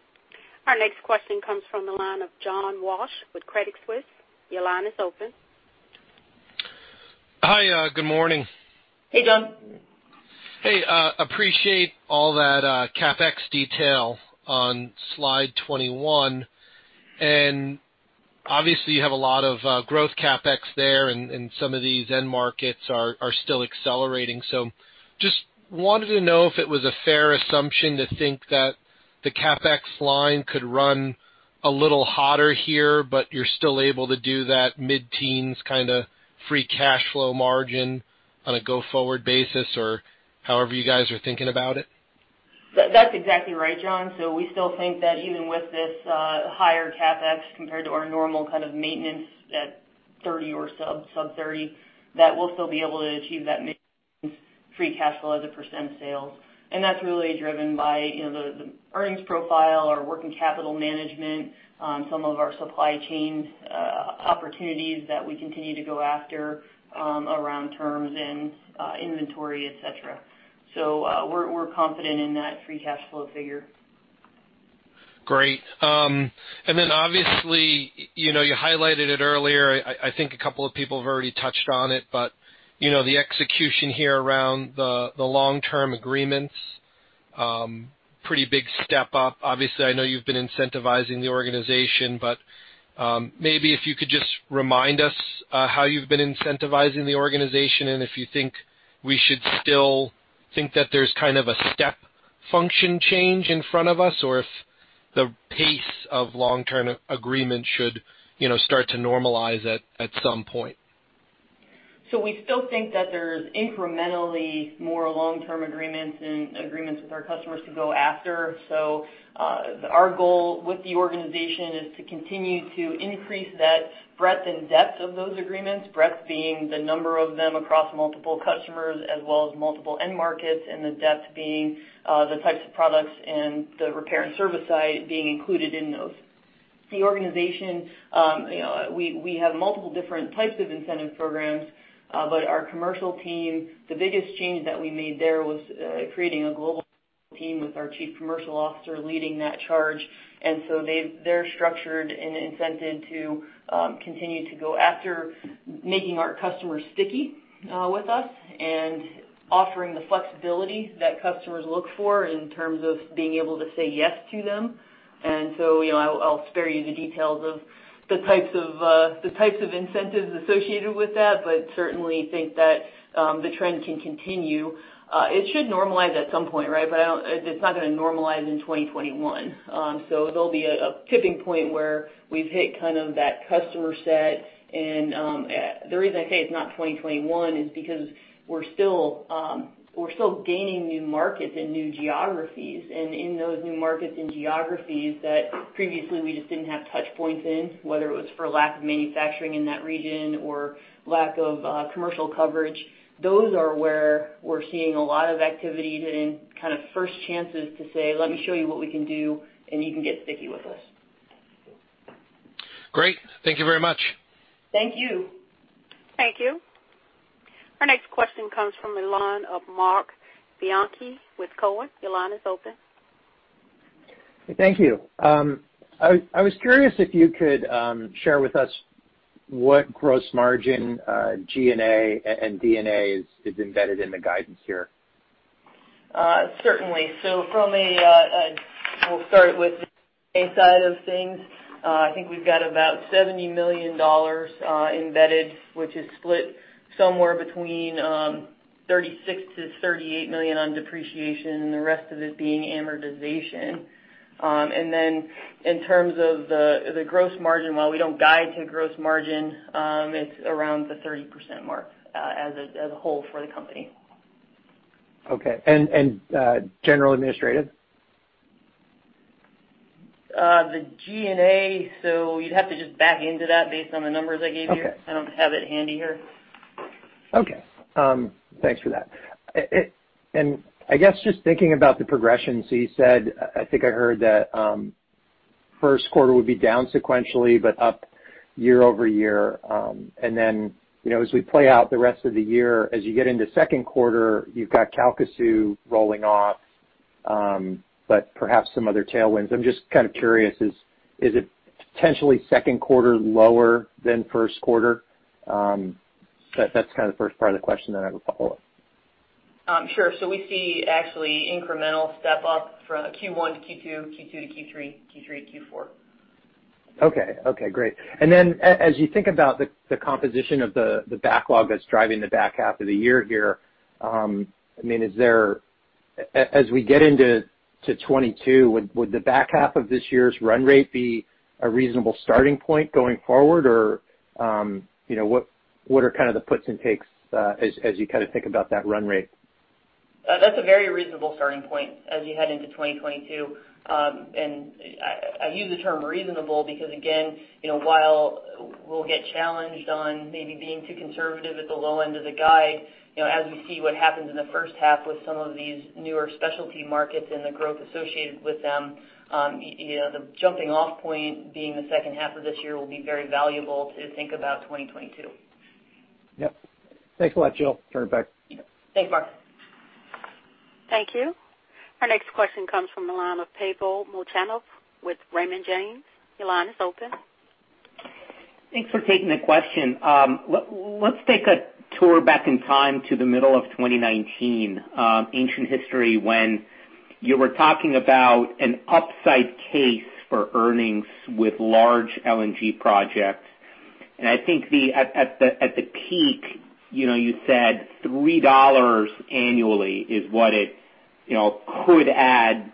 Our next question comes from the line of John Walsh with Credit Suisse. Your line is open. Hi. Good morning. Hey, John. Hey. Appreciate all that CapEx detail on slide 21. And obviously, you have a lot of growth CapEx there, and some of these end markets are still accelerating. So just wanted to know if it was a fair assumption to think that the CapEx line could run a little hotter here, but you're still able to do that mid-teens kind of free cash flow margin on a go-forward basis or however you guys are thinking about it? That's exactly right, John. So we still think that even with this higher CapEx compared to our normal kind of maintenance at 30 or sub-30, that we'll still be able to achieve that free cash flow as a % of sales. And that's really driven by the earnings profile or working capital management, some of our supply chain opportunities that we continue to go after around terms and inventory, etc. So we're confident in that free cash flow figure. Great. And then obviously, you highlighted it earlier. I think a couple of people have already touched on it, but the execution here around the long-term agreements, pretty big step up. Obviously, I know you've been incentivizing the organization, but maybe if you could just remind us how you've been incentivizing the organization and if you think we should still think that there's kind of a step function change in front of us or if the pace of long-term agreements should start to normalize at some point? So we still think that there's incrementally more long-term agreements and agreements with our customers to go after. So our goal with the organization is to continue to increase that breadth and depth of those agreements, breadth being the number of them across multiple customers as well as multiple end markets and the depth being the types of products and the repair and service side being included in those. The organization, we have multiple different types of incentive programs, but our commercial team, the biggest change that we made there was creating a global team with our chief commercial officer leading that charge. And so they're structured and incented to continue to go after making our customers sticky with us and offering the flexibility that customers look for in terms of being able to say yes to them. And so I'll spare you the details of the types of incentives associated with that, but certainly think that the trend can continue. It should normalize at some point, right? But it's not going to normalize in 2021. So there'll be a tipping point where we've hit kind of that customer set. And the reason I say it's not 2021 is because we're still gaining new markets and new geographies. In those new markets and geographies that previously we just didn't have touch points in, whether it was for lack of manufacturing in that region or lack of commercial coverage, those are where we're seeing a lot of activity and kind of first chances to say, "Let me show you what we can do, and you can get sticky with us." Great. Thank you very much. Thank you. Thank you. Our next question comes from the line of Mark Bianchi with Cowen. Your line is open. Thank you. I was curious if you could share with us what gross margin, G&A, and D&A is embedded in the guidance here. Certainly. So we'll start with the D&A side of things. I think we've got about $70 million embedded, which is split somewhere between 36-38 million on depreciation and the rest of it being amortization. Then in terms of the gross margin, while we don't guide to gross margin, it's around the 30% mark as a whole for the company. Okay. And general administrative? The G&A, so you'd have to just back into that based on the numbers I gave you. I don't have it handy here. Okay. Thanks for that. And I guess just thinking about the progression, so you said, I think I heard that first quarter would be down sequentially but up year over year. And then as we play out the rest of the year, as you get into second quarter, you've got Calcasieu rolling off, but perhaps some other tailwinds. I'm just kind of curious, is it potentially second quarter lower than first quarter? That's kind of the first part of the question that I would follow up. Sure. So we see actually incremental step up from Q1 to Q2, Q2 to Q3, Q3 to Q4. Okay. Okay. Great. And then as you think about the composition of the backlog that's driving the back half of the year here, I mean, as we get into 2022, would the back half of this year's run rate be a reasonable starting point going forward? Or what are kind of the puts and takes as you kind of think about that run rate? That's a very reasonable starting point as you head into 2022. And I use the term reasonable because, again, while we'll get challenged on maybe being too conservative at the low end of the guide, as we see what happens in the first half with some of these newer specialty markets and the growth associated with them, the jumping-off point being the second half of this year will be very valuable to think about 2022. Yep. Thanks a lot, Jill. Turn it back. Thanks, Mark. Thank you. Our next question comes from Pavel Molchanov with Raymond James. Your line is open. Thanks for taking the question. Let's take a tour back in time to the middle of 2019, ancient history, when you were talking about an upside case for earnings with large LNG projects. And I think at the peak, you said $3 annually is what it could add,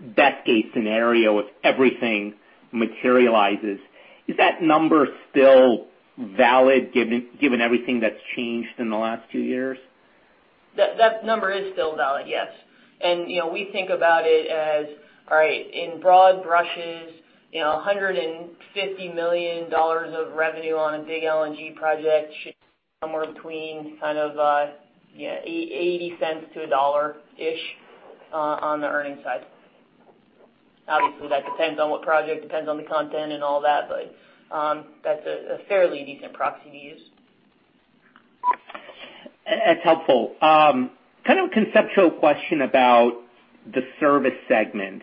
best case scenario, if everything materializes. Is that number still valid given everything that's changed in the last few years? That number is still valid, yes, and we think about it as, all right, in broad strokes, $150 million of revenue on a big LNG project should be somewhere between kind of $0.80-$1.00-ish on the earnings side. Obviously, that depends on what project, depends on the content and all that, but that's a fairly decent proxy to use. That's helpful. Kind of a conceptual question about the service segment.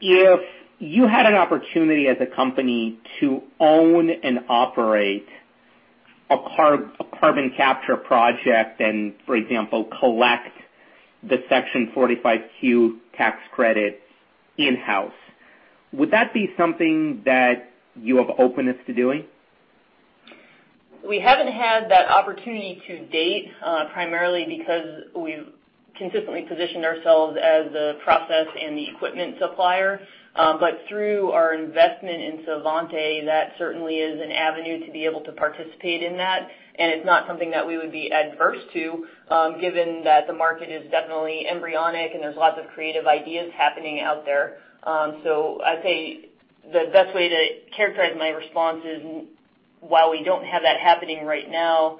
If you had an opportunity as a company to own and operate a carbon capture project and, for example, collect the Section 45Q tax credit in-house, would that be something that you have openness to doing? We haven't had that opportunity to date, primarily because we've consistently positioned ourselves as the process and the equipment supplier. But through our investment in Svante, that certainly is an avenue to be able to participate in that. And it's not something that we would be adverse to, given that the market is definitely embryonic and there's lots of creative ideas happening out there. So I'd say the best way to characterize my response is, while we don't have that happening right now,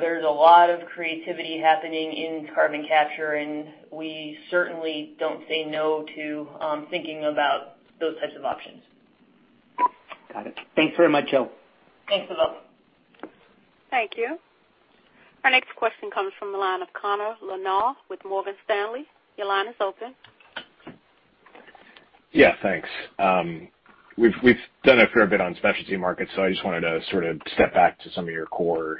there's a lot of creativity happening in carbon capture, and we certainly don't say no to thinking about those types of options. Got it. Thanks very much, Jill. Thanks for the help. Thank you. Our next question comes from the line of Connor Lynagh with Morgan Stanley. Your line is open. Yeah. Thanks. We've done a fair bit on specialty markets, so I just wanted to sort of step back to some of your core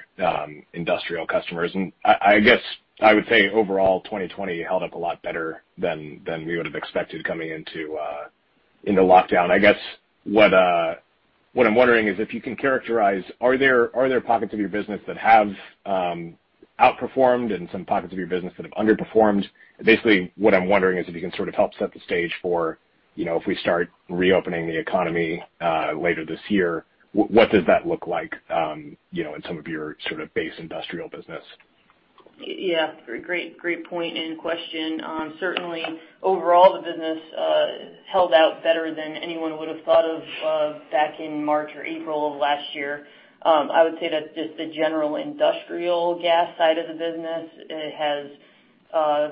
industrial customers. I guess I would say overall, 2020 held up a lot better than we would have expected coming into lockdown. I guess what I'm wondering is if you can characterize: are there pockets of your business that have outperformed and some pockets of your business that have underperformed? Basically, what I'm wondering is if you can sort of help set the stage for if we start reopening the economy later this year, what does that look like in some of your sort of base industrial business? Yeah. Great point and question. Certainly, overall, the business held out better than anyone would have thought of back in March or April of last year. I would say that's just the general industrial gas side of the business. It has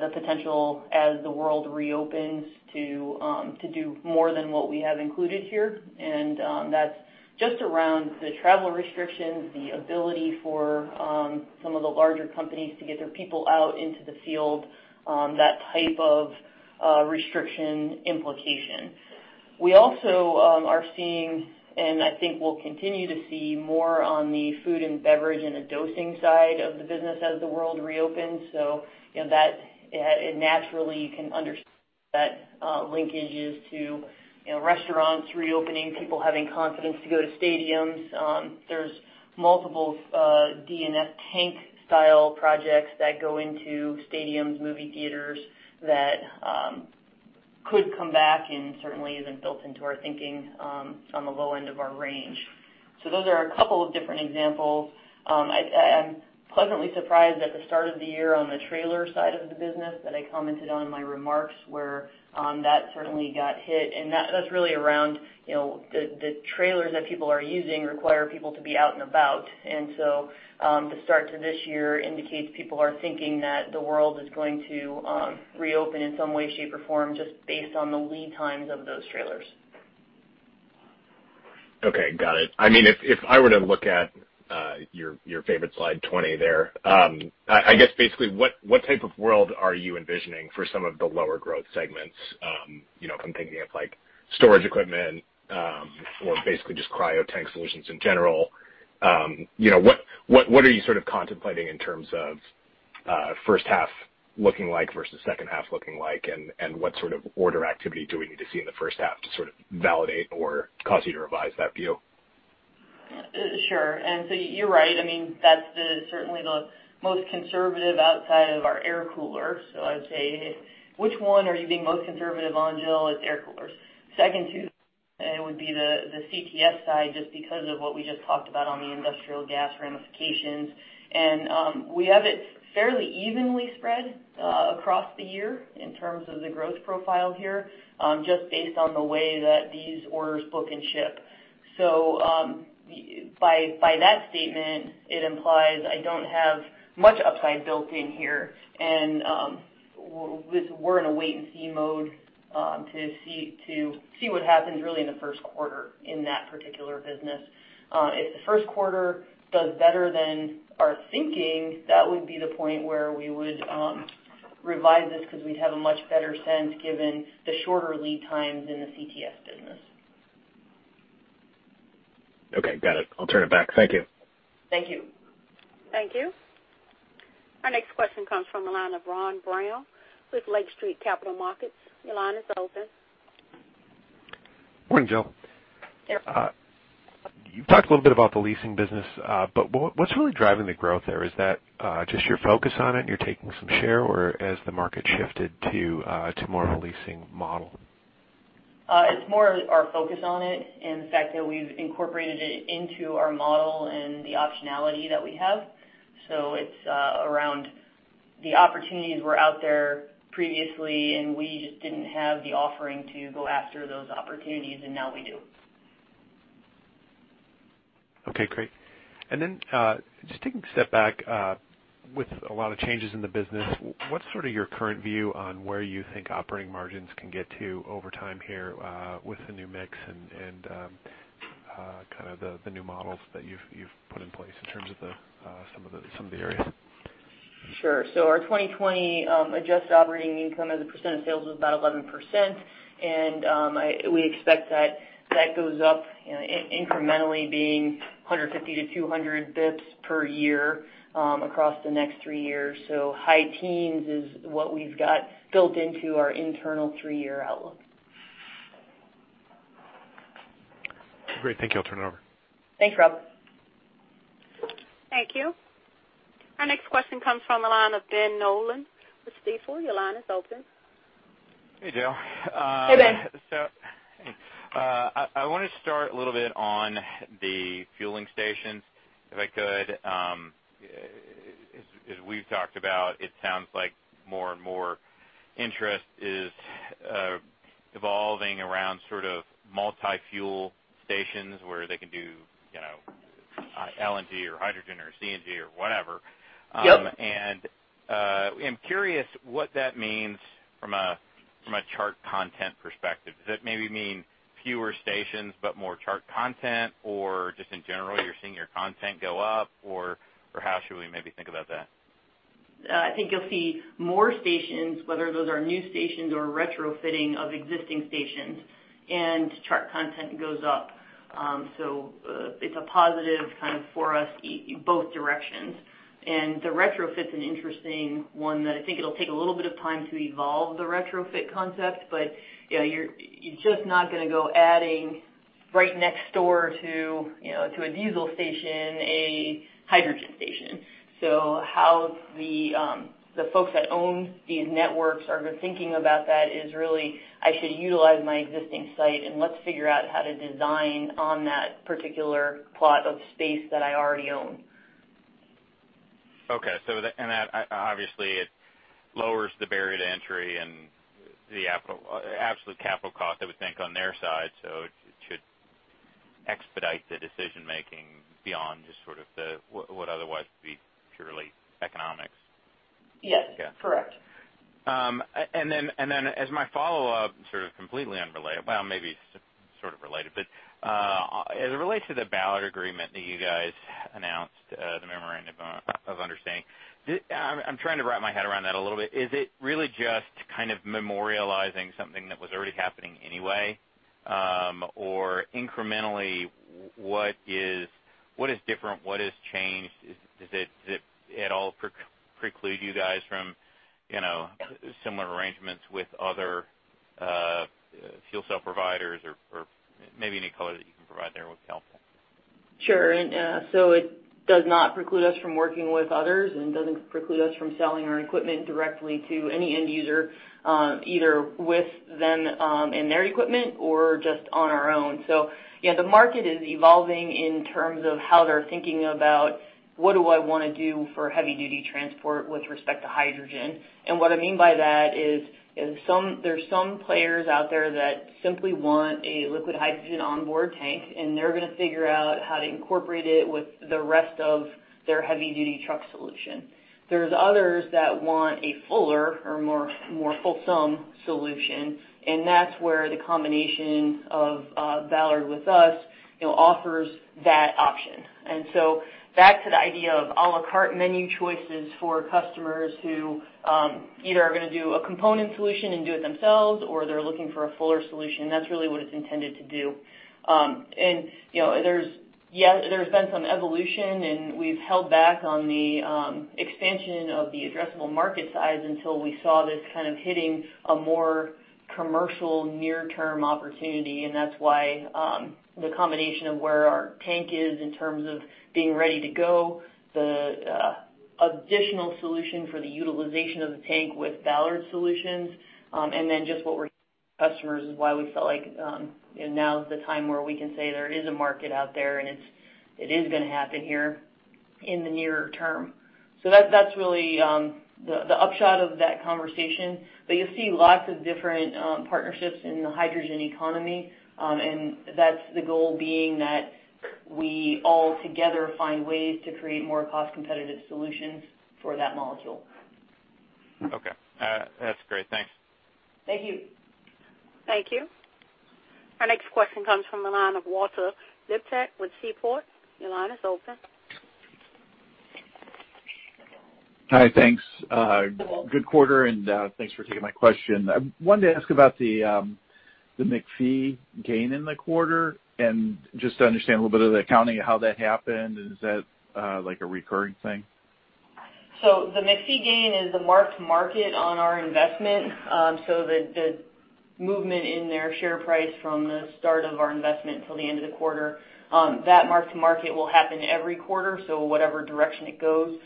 the potential, as the world reopens, to do more than what we have included here. And that's just around the travel restrictions, the ability for some of the larger companies to get their people out into the field, that type of restriction implication. We also are seeing, and I think we'll continue to see more on the food and beverage and the dosing side of the business as the world reopens. So naturally, you can understand that linkage is to restaurants reopening, people having confidence to go to stadiums. There's multiple D&S tank-style projects that go into stadiums, movie theaters that could come back and certainly isn't built into our thinking on the low end of our range. So those are a couple of different examples. I'm pleasantly surprised at the start of the year on the trailer side of the business that I commented on in my remarks where that certainly got hit. And that's really around the trailers that people are using require people to be out and about. And so the start to this year indicates people are thinking that the world is going to reopen in some way, shape, or form just based on the lead times of those trailers. Okay. Got it. I mean, if I were to look at your favorite slide 20 there, I guess basically what type of world are you envisioning for some of the lower growth segments? I'm thinking of storage equipment or basically just Cryo Tank Solutions in general. What are you sort of contemplating in terms of first half looking like versus second half looking like, and what sort of order activity do we need to see in the first half to sort of validate or cause you to revise that view? Sure. And so you're right. I mean, that's certainly the most conservative outside of our air cooler. So I would say, which one are you being most conservative on, Jill? It's air coolers. Second to that would be the CTS side just because of what we just talked about on the industrial gas ramifications. And we have it fairly evenly spread across the year in terms of the growth profile here just based on the way that these orders book and ship. So by that statement, it implies I don't have much upside built in here. And we're in a wait-and-see mode to see what happens really in the first quarter in that particular business. If the first quarter does better than our thinking, that would be the point where wewould revise this because we'd have a much better sense given the shorter lead times in the CTS business. Okay. Got it. I'll turn it back. Thank you. Thank you. Thank you. Our next question comes from the line of Rob Brown with Lake Street Capital Markets. Your line is open. Morning, Jill. You've talked a little bit about the leasing business, but what's really driving the growth there? Is that just your focus on it and you're taking some share, or has the market shifted to more of a leasing model? It's more our focus on it and the fact that we've incorporated it into our model and the optionality that we have. So it's around the opportunities were out there previously, and we just didn't have the offering to go after those opportunities, and now we do. Okay. Great. And then just taking a step back with a lot of changes in the business, what's sort of your current view on where you think operating margins can get to over time here with the new mix and kind of the new models that you've put in place in terms of some of the areas? Sure. So our 2020 adjusted operating income as a percent of sales was about 11%. And we expect that that goes up incrementally, being 150-200 basis points per year across the next three years. So high teens is what we've got built into our internal three-year outlook. Great. Thank you. I'll turn it over. Thanks, Rob. Thank you. Our next question comes from the line of Ben Nolan with Stifel. Your line is open. Hey, Jill. Hey, Ben. So I want to start a little bit on the fueling stations. If I could, as we've talked about, it sounds like more and more interest is evolving around sort of multi-fuel stations where they can do LNG or hydrogen or CNG or whatever. And I'm curious what that means from a Chart content perspective. Does that maybe mean fewer stations but more Chart content, or just in general, you're seeing your content go up? Or how should we maybe think about that? I think you'll see more stations, whether those are new stations or retrofitting of existing stations, and Chart content goes up. So it's a positive kind of for us in both directions. And the retrofit's an interesting one that I think it'll take a little bit of time to evolve the retrofit concept, but you're just not going to go adding right next door to a diesel station a hydrogen station. So how the folks that own these networks are thinking about that is really, "I should utilize my existing site, and let's figure out how to design on that particular plot of space that I already own." Okay. And that obviously lowers the barrier to entry and the absolute capital cost, I would think, on their side. So it should expedite the decision-making beyond just sort of what otherwise would be purely economics. Yes. Correct. And then as my follow-up, sort of completely unrelated, well, maybe sort of related, but as it relates to the Ballard agreement that you guys announced, the memorandum of understanding, I'm trying to wrap my head around that a little bit. Is it really just kind of memorializing something that was already happening anyway? Or incrementally, what is different? What has changed? Does it at all preclude you guys from similar arrangements with other fuel cell providers? Or maybe any color that you can provide there would be helpful. Sure. So it does not preclude us from working with others and doesn't preclude us from selling our equipment directly to any end user, either with them and their equipment or just on our own. So yeah, the market is evolving in terms of how they're thinking about, "What do I want to do for heavy-duty transport with respect to hydrogen?" And what I mean by that is there's some players out there that simply want a liquid hydrogen onboard tank, and they're going to figure out how to incorporate it with the rest of their heavy-duty truck solution. There's others that want a fuller or more fulsome solution, and that's where the combination of Ballard with us offers that option. And so back to the idea of à la carte menu choices for customers who either are going to do a component solution and do it themselves, or they're looking for a fuller solution. That's really what it's intended to do. And there's been some evolution, and we've held back on the expansion of the addressable market size until we saw this kind of hitting a more commercial near-term opportunity. And that's why the combination of where our tank is in terms of being ready to go, the additional solution for the utilization of the tank with Ballard solutions, and then just what our customers is why we felt like now is the time where we can say there is a market out there, and it is going to happen here in the near term. So that's really the upshot of that conversation. But you'll see lots of different partnerships in the hydrogen economy, and that's the goal being that we all together find ways to create more cost-competitive solutions for that molecule. Okay. That's great. Thanks. Thank you. Thank you. Our next question comes from Walter Liptak with Seaport. Your line is open. Hi. Thanks. Good quarter, and thanks for taking my question. I wanted to ask about the McPhy gain in the quarter and just to understand a little bit of the accounting of how that happened. Is that a recurring thing? So the McPhy gain is the mark-to-market on our investment. So the movement in their share price from the start of our investment until the end of the quarter, that mark-to-market will happen every quarter. So whatever direction it goes,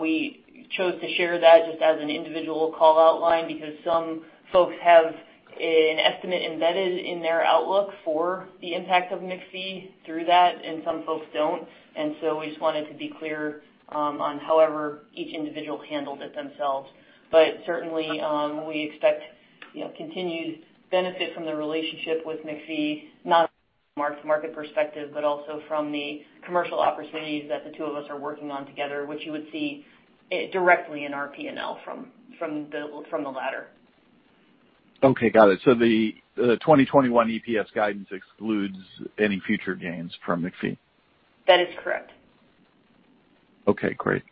we chose to share that just as an individual call-out line because some folks have an estimate embedded in their outlook for the impact of McDermott through that, and some folks don't. And so we just wanted to be clear on however each individual handled it themselves. But certainly, we expect continued benefit from the relationship with McDermott, not only from a mark-to-market perspective but also from the commercial opportunities that the two of us are working on together, which you would see directly in our P&L from the latter. Okay. Got it. So the 2021 EPS guidance excludes any future gains from McDermott? That is correct. Okay. Great.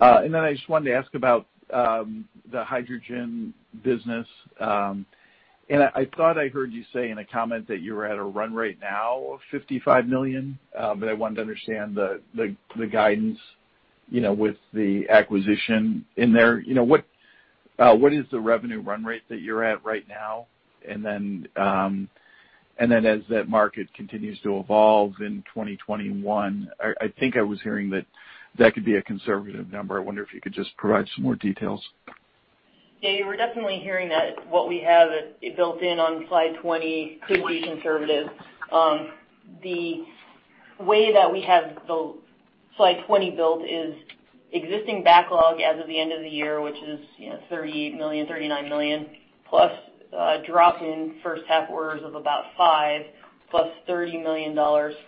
And then I just wanted to ask about the hydrogen business. I thought I heard you say in a comment that you were at a run rate now of $55 million, but I wanted to understand the guidance with the acquisition in there. What is the revenue run rate that you're at right now? Then as that market continues to evolve in 2021, I think I was hearing that that could be a conservative number. I wonder if you could just provide some more details. Yeah. You were definitely hearing that what we have built in on slide 20 could be conservative. The way that we have the slide 20 built is existing backlog as of the end of the year, which is $38 million-$39 million plus drop in first half orders of about $5 million plus $30 million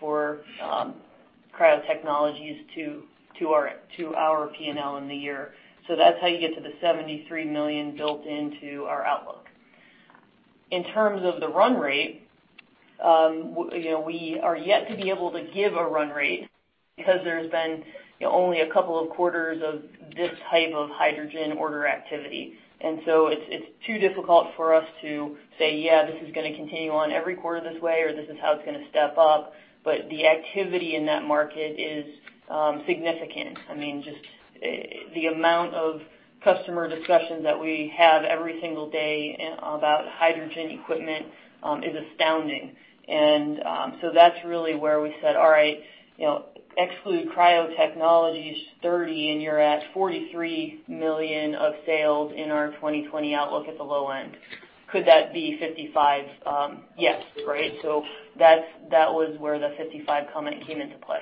for Cryo Technologies to our P&L in the year. That's how you get to the $73 million built into our outlook. In terms of the run rate, we are yet to be able to give a run rate because there's been only a couple of quarters of this type of hydrogen order activity. And so it's too difficult for us to say, "Yeah, this is going to continue on every quarter this way," or, "This is how it's going to step up." But the activity in that market is significant. I mean, just the amount of customer discussions that we have every single day about hydrogen equipment is astounding. And so that's really where we said, "All right, exclude Cryo Technologies $30 million, and you're at $43 million of sales in our 2020 outlook at the low end. Could that be $55 million?" Yes. Right? So that was where the $55 million comment came into play.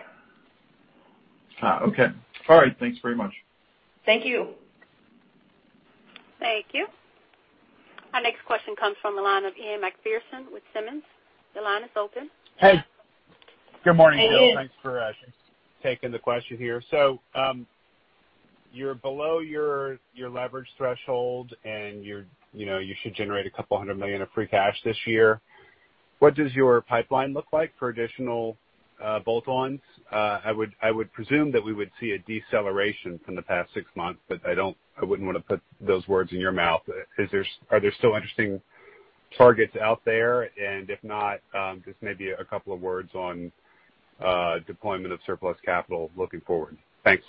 Okay. All right. Thanks very much. Thank you. Thank you. Our next question comes from the line of Ian Macpherson with Simmons. Your line is open. Hey. Good morning, Jill. Thanks for taking the question here. So you're below your leverage threshold, and you should generate a couple hundred million of free cash this year. What does your pipeline look like for additional bolt-ons? I would presume that we would see a deceleration from the past six months, but I wouldn't want to put those words in your mouth. Are there still interesting targets out there? And if not, just maybe a couple of words on deployment of surplus capital looking forward. Thanks.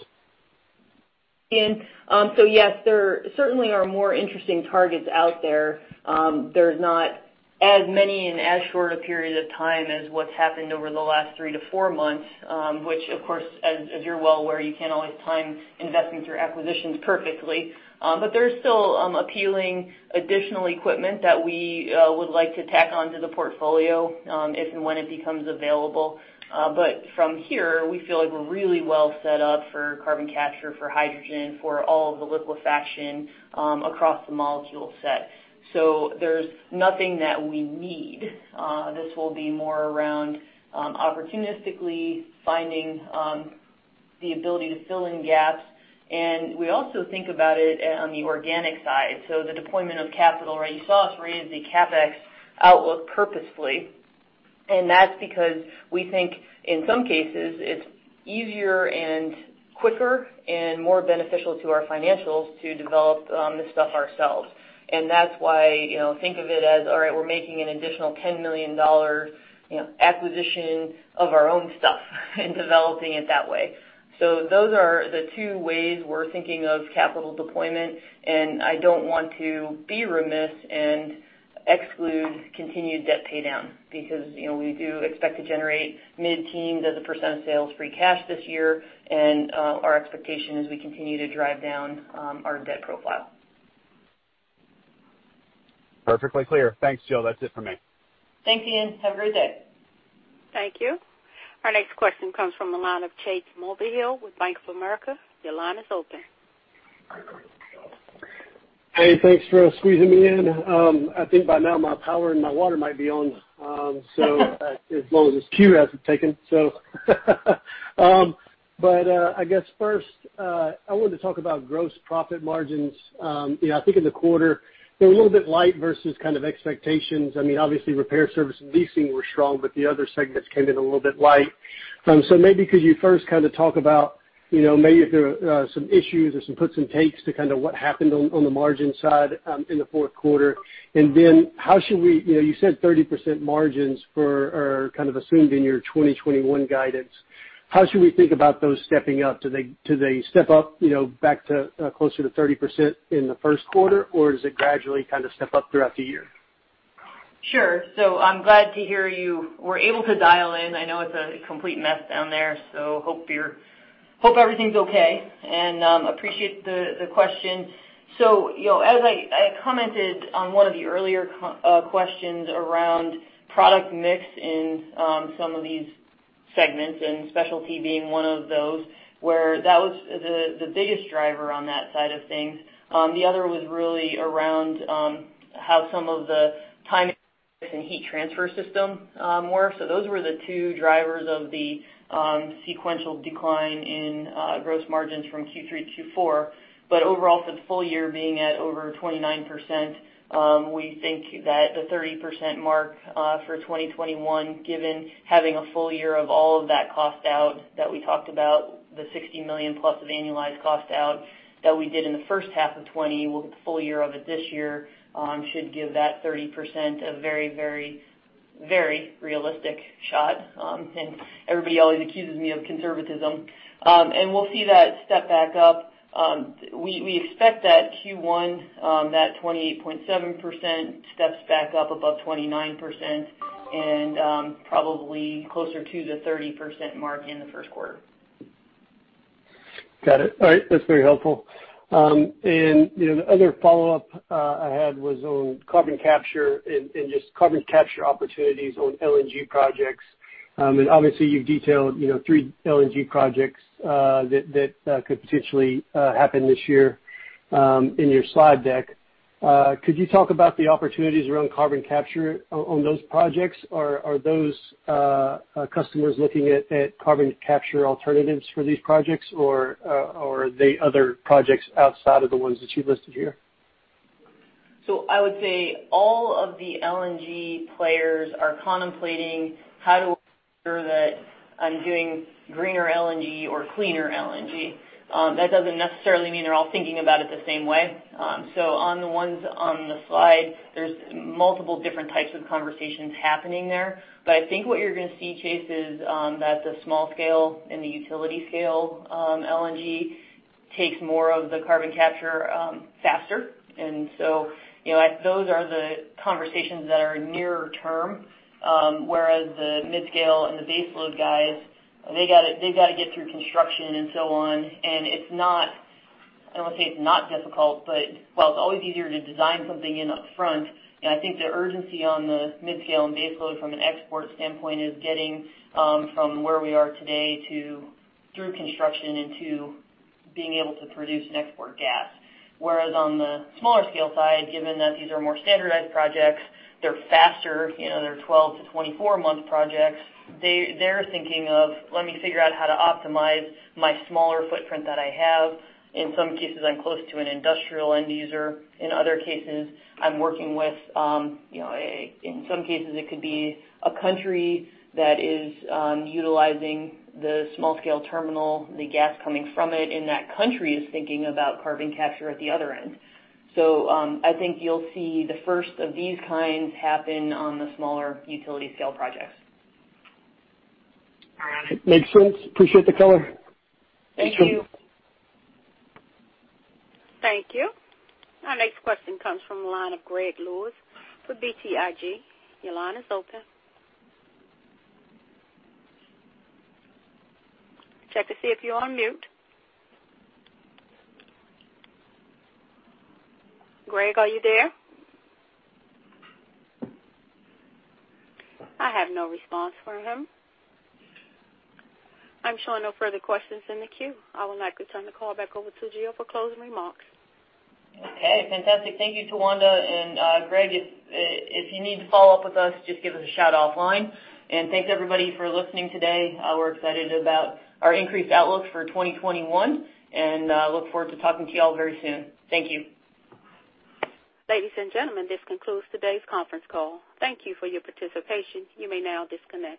And so yes, there certainly are more interesting targets out there. There's not as many in as short a period of time as what's happened over the last three to four months, which, of course, as you're well aware, you can't always time investing through acquisitions perfectly. But there's still appealing additional equipment that we would like to tack on to the portfolio if and when it becomes available. But from here, we feel like we're really well set up for carbon capture, for hydrogen, for all of the liquefaction across the molecule set. So there's nothing that we need. This will be more around opportunistically finding the ability to fill in gaps. And we also think about it on the organic side. So the deployment of capital, right? You saw us raise the CapEx outlook purposefully. And that's because we think in some cases it's easier and quicker and more beneficial to our financials to develop this stuff ourselves. And that's why think of it as, "All right, we're making an additional $10 million acquisition of our own stuff and developing it that way." So those are the two ways we're thinking of capital deployment. And I don't want to be remiss and exclude continued debt paydown because we do expect to generate mid-teens % of sales free cash this year. And our expectation is we continue to drive down our debt profile. Perfectly clear. Thanks, Jill. That's it for me. Thanks, Ian. Have a great day. Thank you. Our next question comes from Chase Mulvehill with Bank of America. Your line is open. Hey, thanks for squeezing me in. I think by now my power and my water might be on. So as long as it's queued, I'll be taken. But I guess first, I wanted to talk about gross profit margins. I think in the quarter, they were a little bit light versus kind of expectations. I mean, obviously, repair service and leasing were strong, but the other segments came in a little bit light. So maybe could you first kind of talk about maybe if there were some issues or some puts and takes to kind of what happened on the margin side in the fourth quarter? And then how should we? You said 30% margins were kind of assumed in your 2021 guidance. How should we think about those stepping up? Do they step up back to closer to 30% in the first quarter, or does it gradually kind of step up throughout the year? Sure. So I'm glad to hear you were able to dial in. I know it's a complete mess down there, so I hope everything's okay. And I appreciate the question. So as I commented on one of the earlier questions around product mix in some of these segments and specialty being one of those, where that was the biggest driver on that side of things. The other was really around how some of the timing and heat transfer system were. So those were the two drivers of the sequential decline in gross margins from Q3 to Q4. But overall, for the full year being at over 29%, we think that the 30% mark for 2021, given having a full year of all of that cost out that we talked about, the $60 million plus of annualized cost out that we did in the first half of 2020, we'll get the full year of it this year, should give that 30% a very, very, very realistic shot. And everybody always accuses me of conservatism. And we'll see that step back up. We expect that Q1, that 28.7% steps back up above 29% and probably closer to the 30% mark in the first quarter. Got it. All right. That's very helpful. And the other follow-up I had was on carbon capture and just carbon capture opportunities on LNG projects. And obviously, you've detailed three LNG projects that could potentially happen this year in your slide deck. Could you talk about the opportunities around carbon capture on those projects? Are those customers looking at carbon capture alternatives for these projects, or are they other projects outside of the ones that you listed here? So I would say all of the LNG players are contemplating how to ensure that I'm doing greener LNG or cleaner LNG. That doesn't necessarily mean they're all thinking about it the same way. So on the ones on the slide, there's multiple different types of conversations happening there. But I think what you're going to see, Chase, is that the small scale and the utility scale LNG takes more of the carbon capture faster. And so those are the conversations that are near term, whereas the mid-scale and the baseload guys, they've got to get through construction and so on. And I don't want to say it's not difficult, but while it's always easier to design something in upfront, I think the urgency on the mid-scale and baseload from an export standpoint is getting from where we are today through construction into being able to produce and export gas. Whereas on the smaller scale side, given that these are more standardized projects, they're faster, they're 12 to 24-month projects, they're thinking of, "Let me figure out how to optimize my smaller footprint that I have." In some cases, I'm close to an industrial end user. In other cases, I'm working with, in some cases, it could be a country that is utilizing the small-scale terminal, the gas coming from it, and that country is thinking about carbon capture at the other end. So I think you'll see the first of these kinds happen on the smaller utility scale projects. All right. Makes sense. Appreciate the color. Thank you. Thank you. Our next question comes from the line of Greg Lewis for BTIG. Your line is open. Check to see if you're on mute. Greg, are you there? I have no response from him. I'm showing no further questions in the queue. I will likely turn the call back over to Jill for closing remarks. Okay. Fantastic. Thank you, Tawanda. And Greg, if you need to follow up with us, just give us a shout offline. And thanks, everybody, for listening today. We're excited about our increased outlook for 2021, and I look forward to talking to you all very soon. Thank you. Ladies and gentlemen, this concludes today's conference call. Thank you for your participation. You may now disconnect.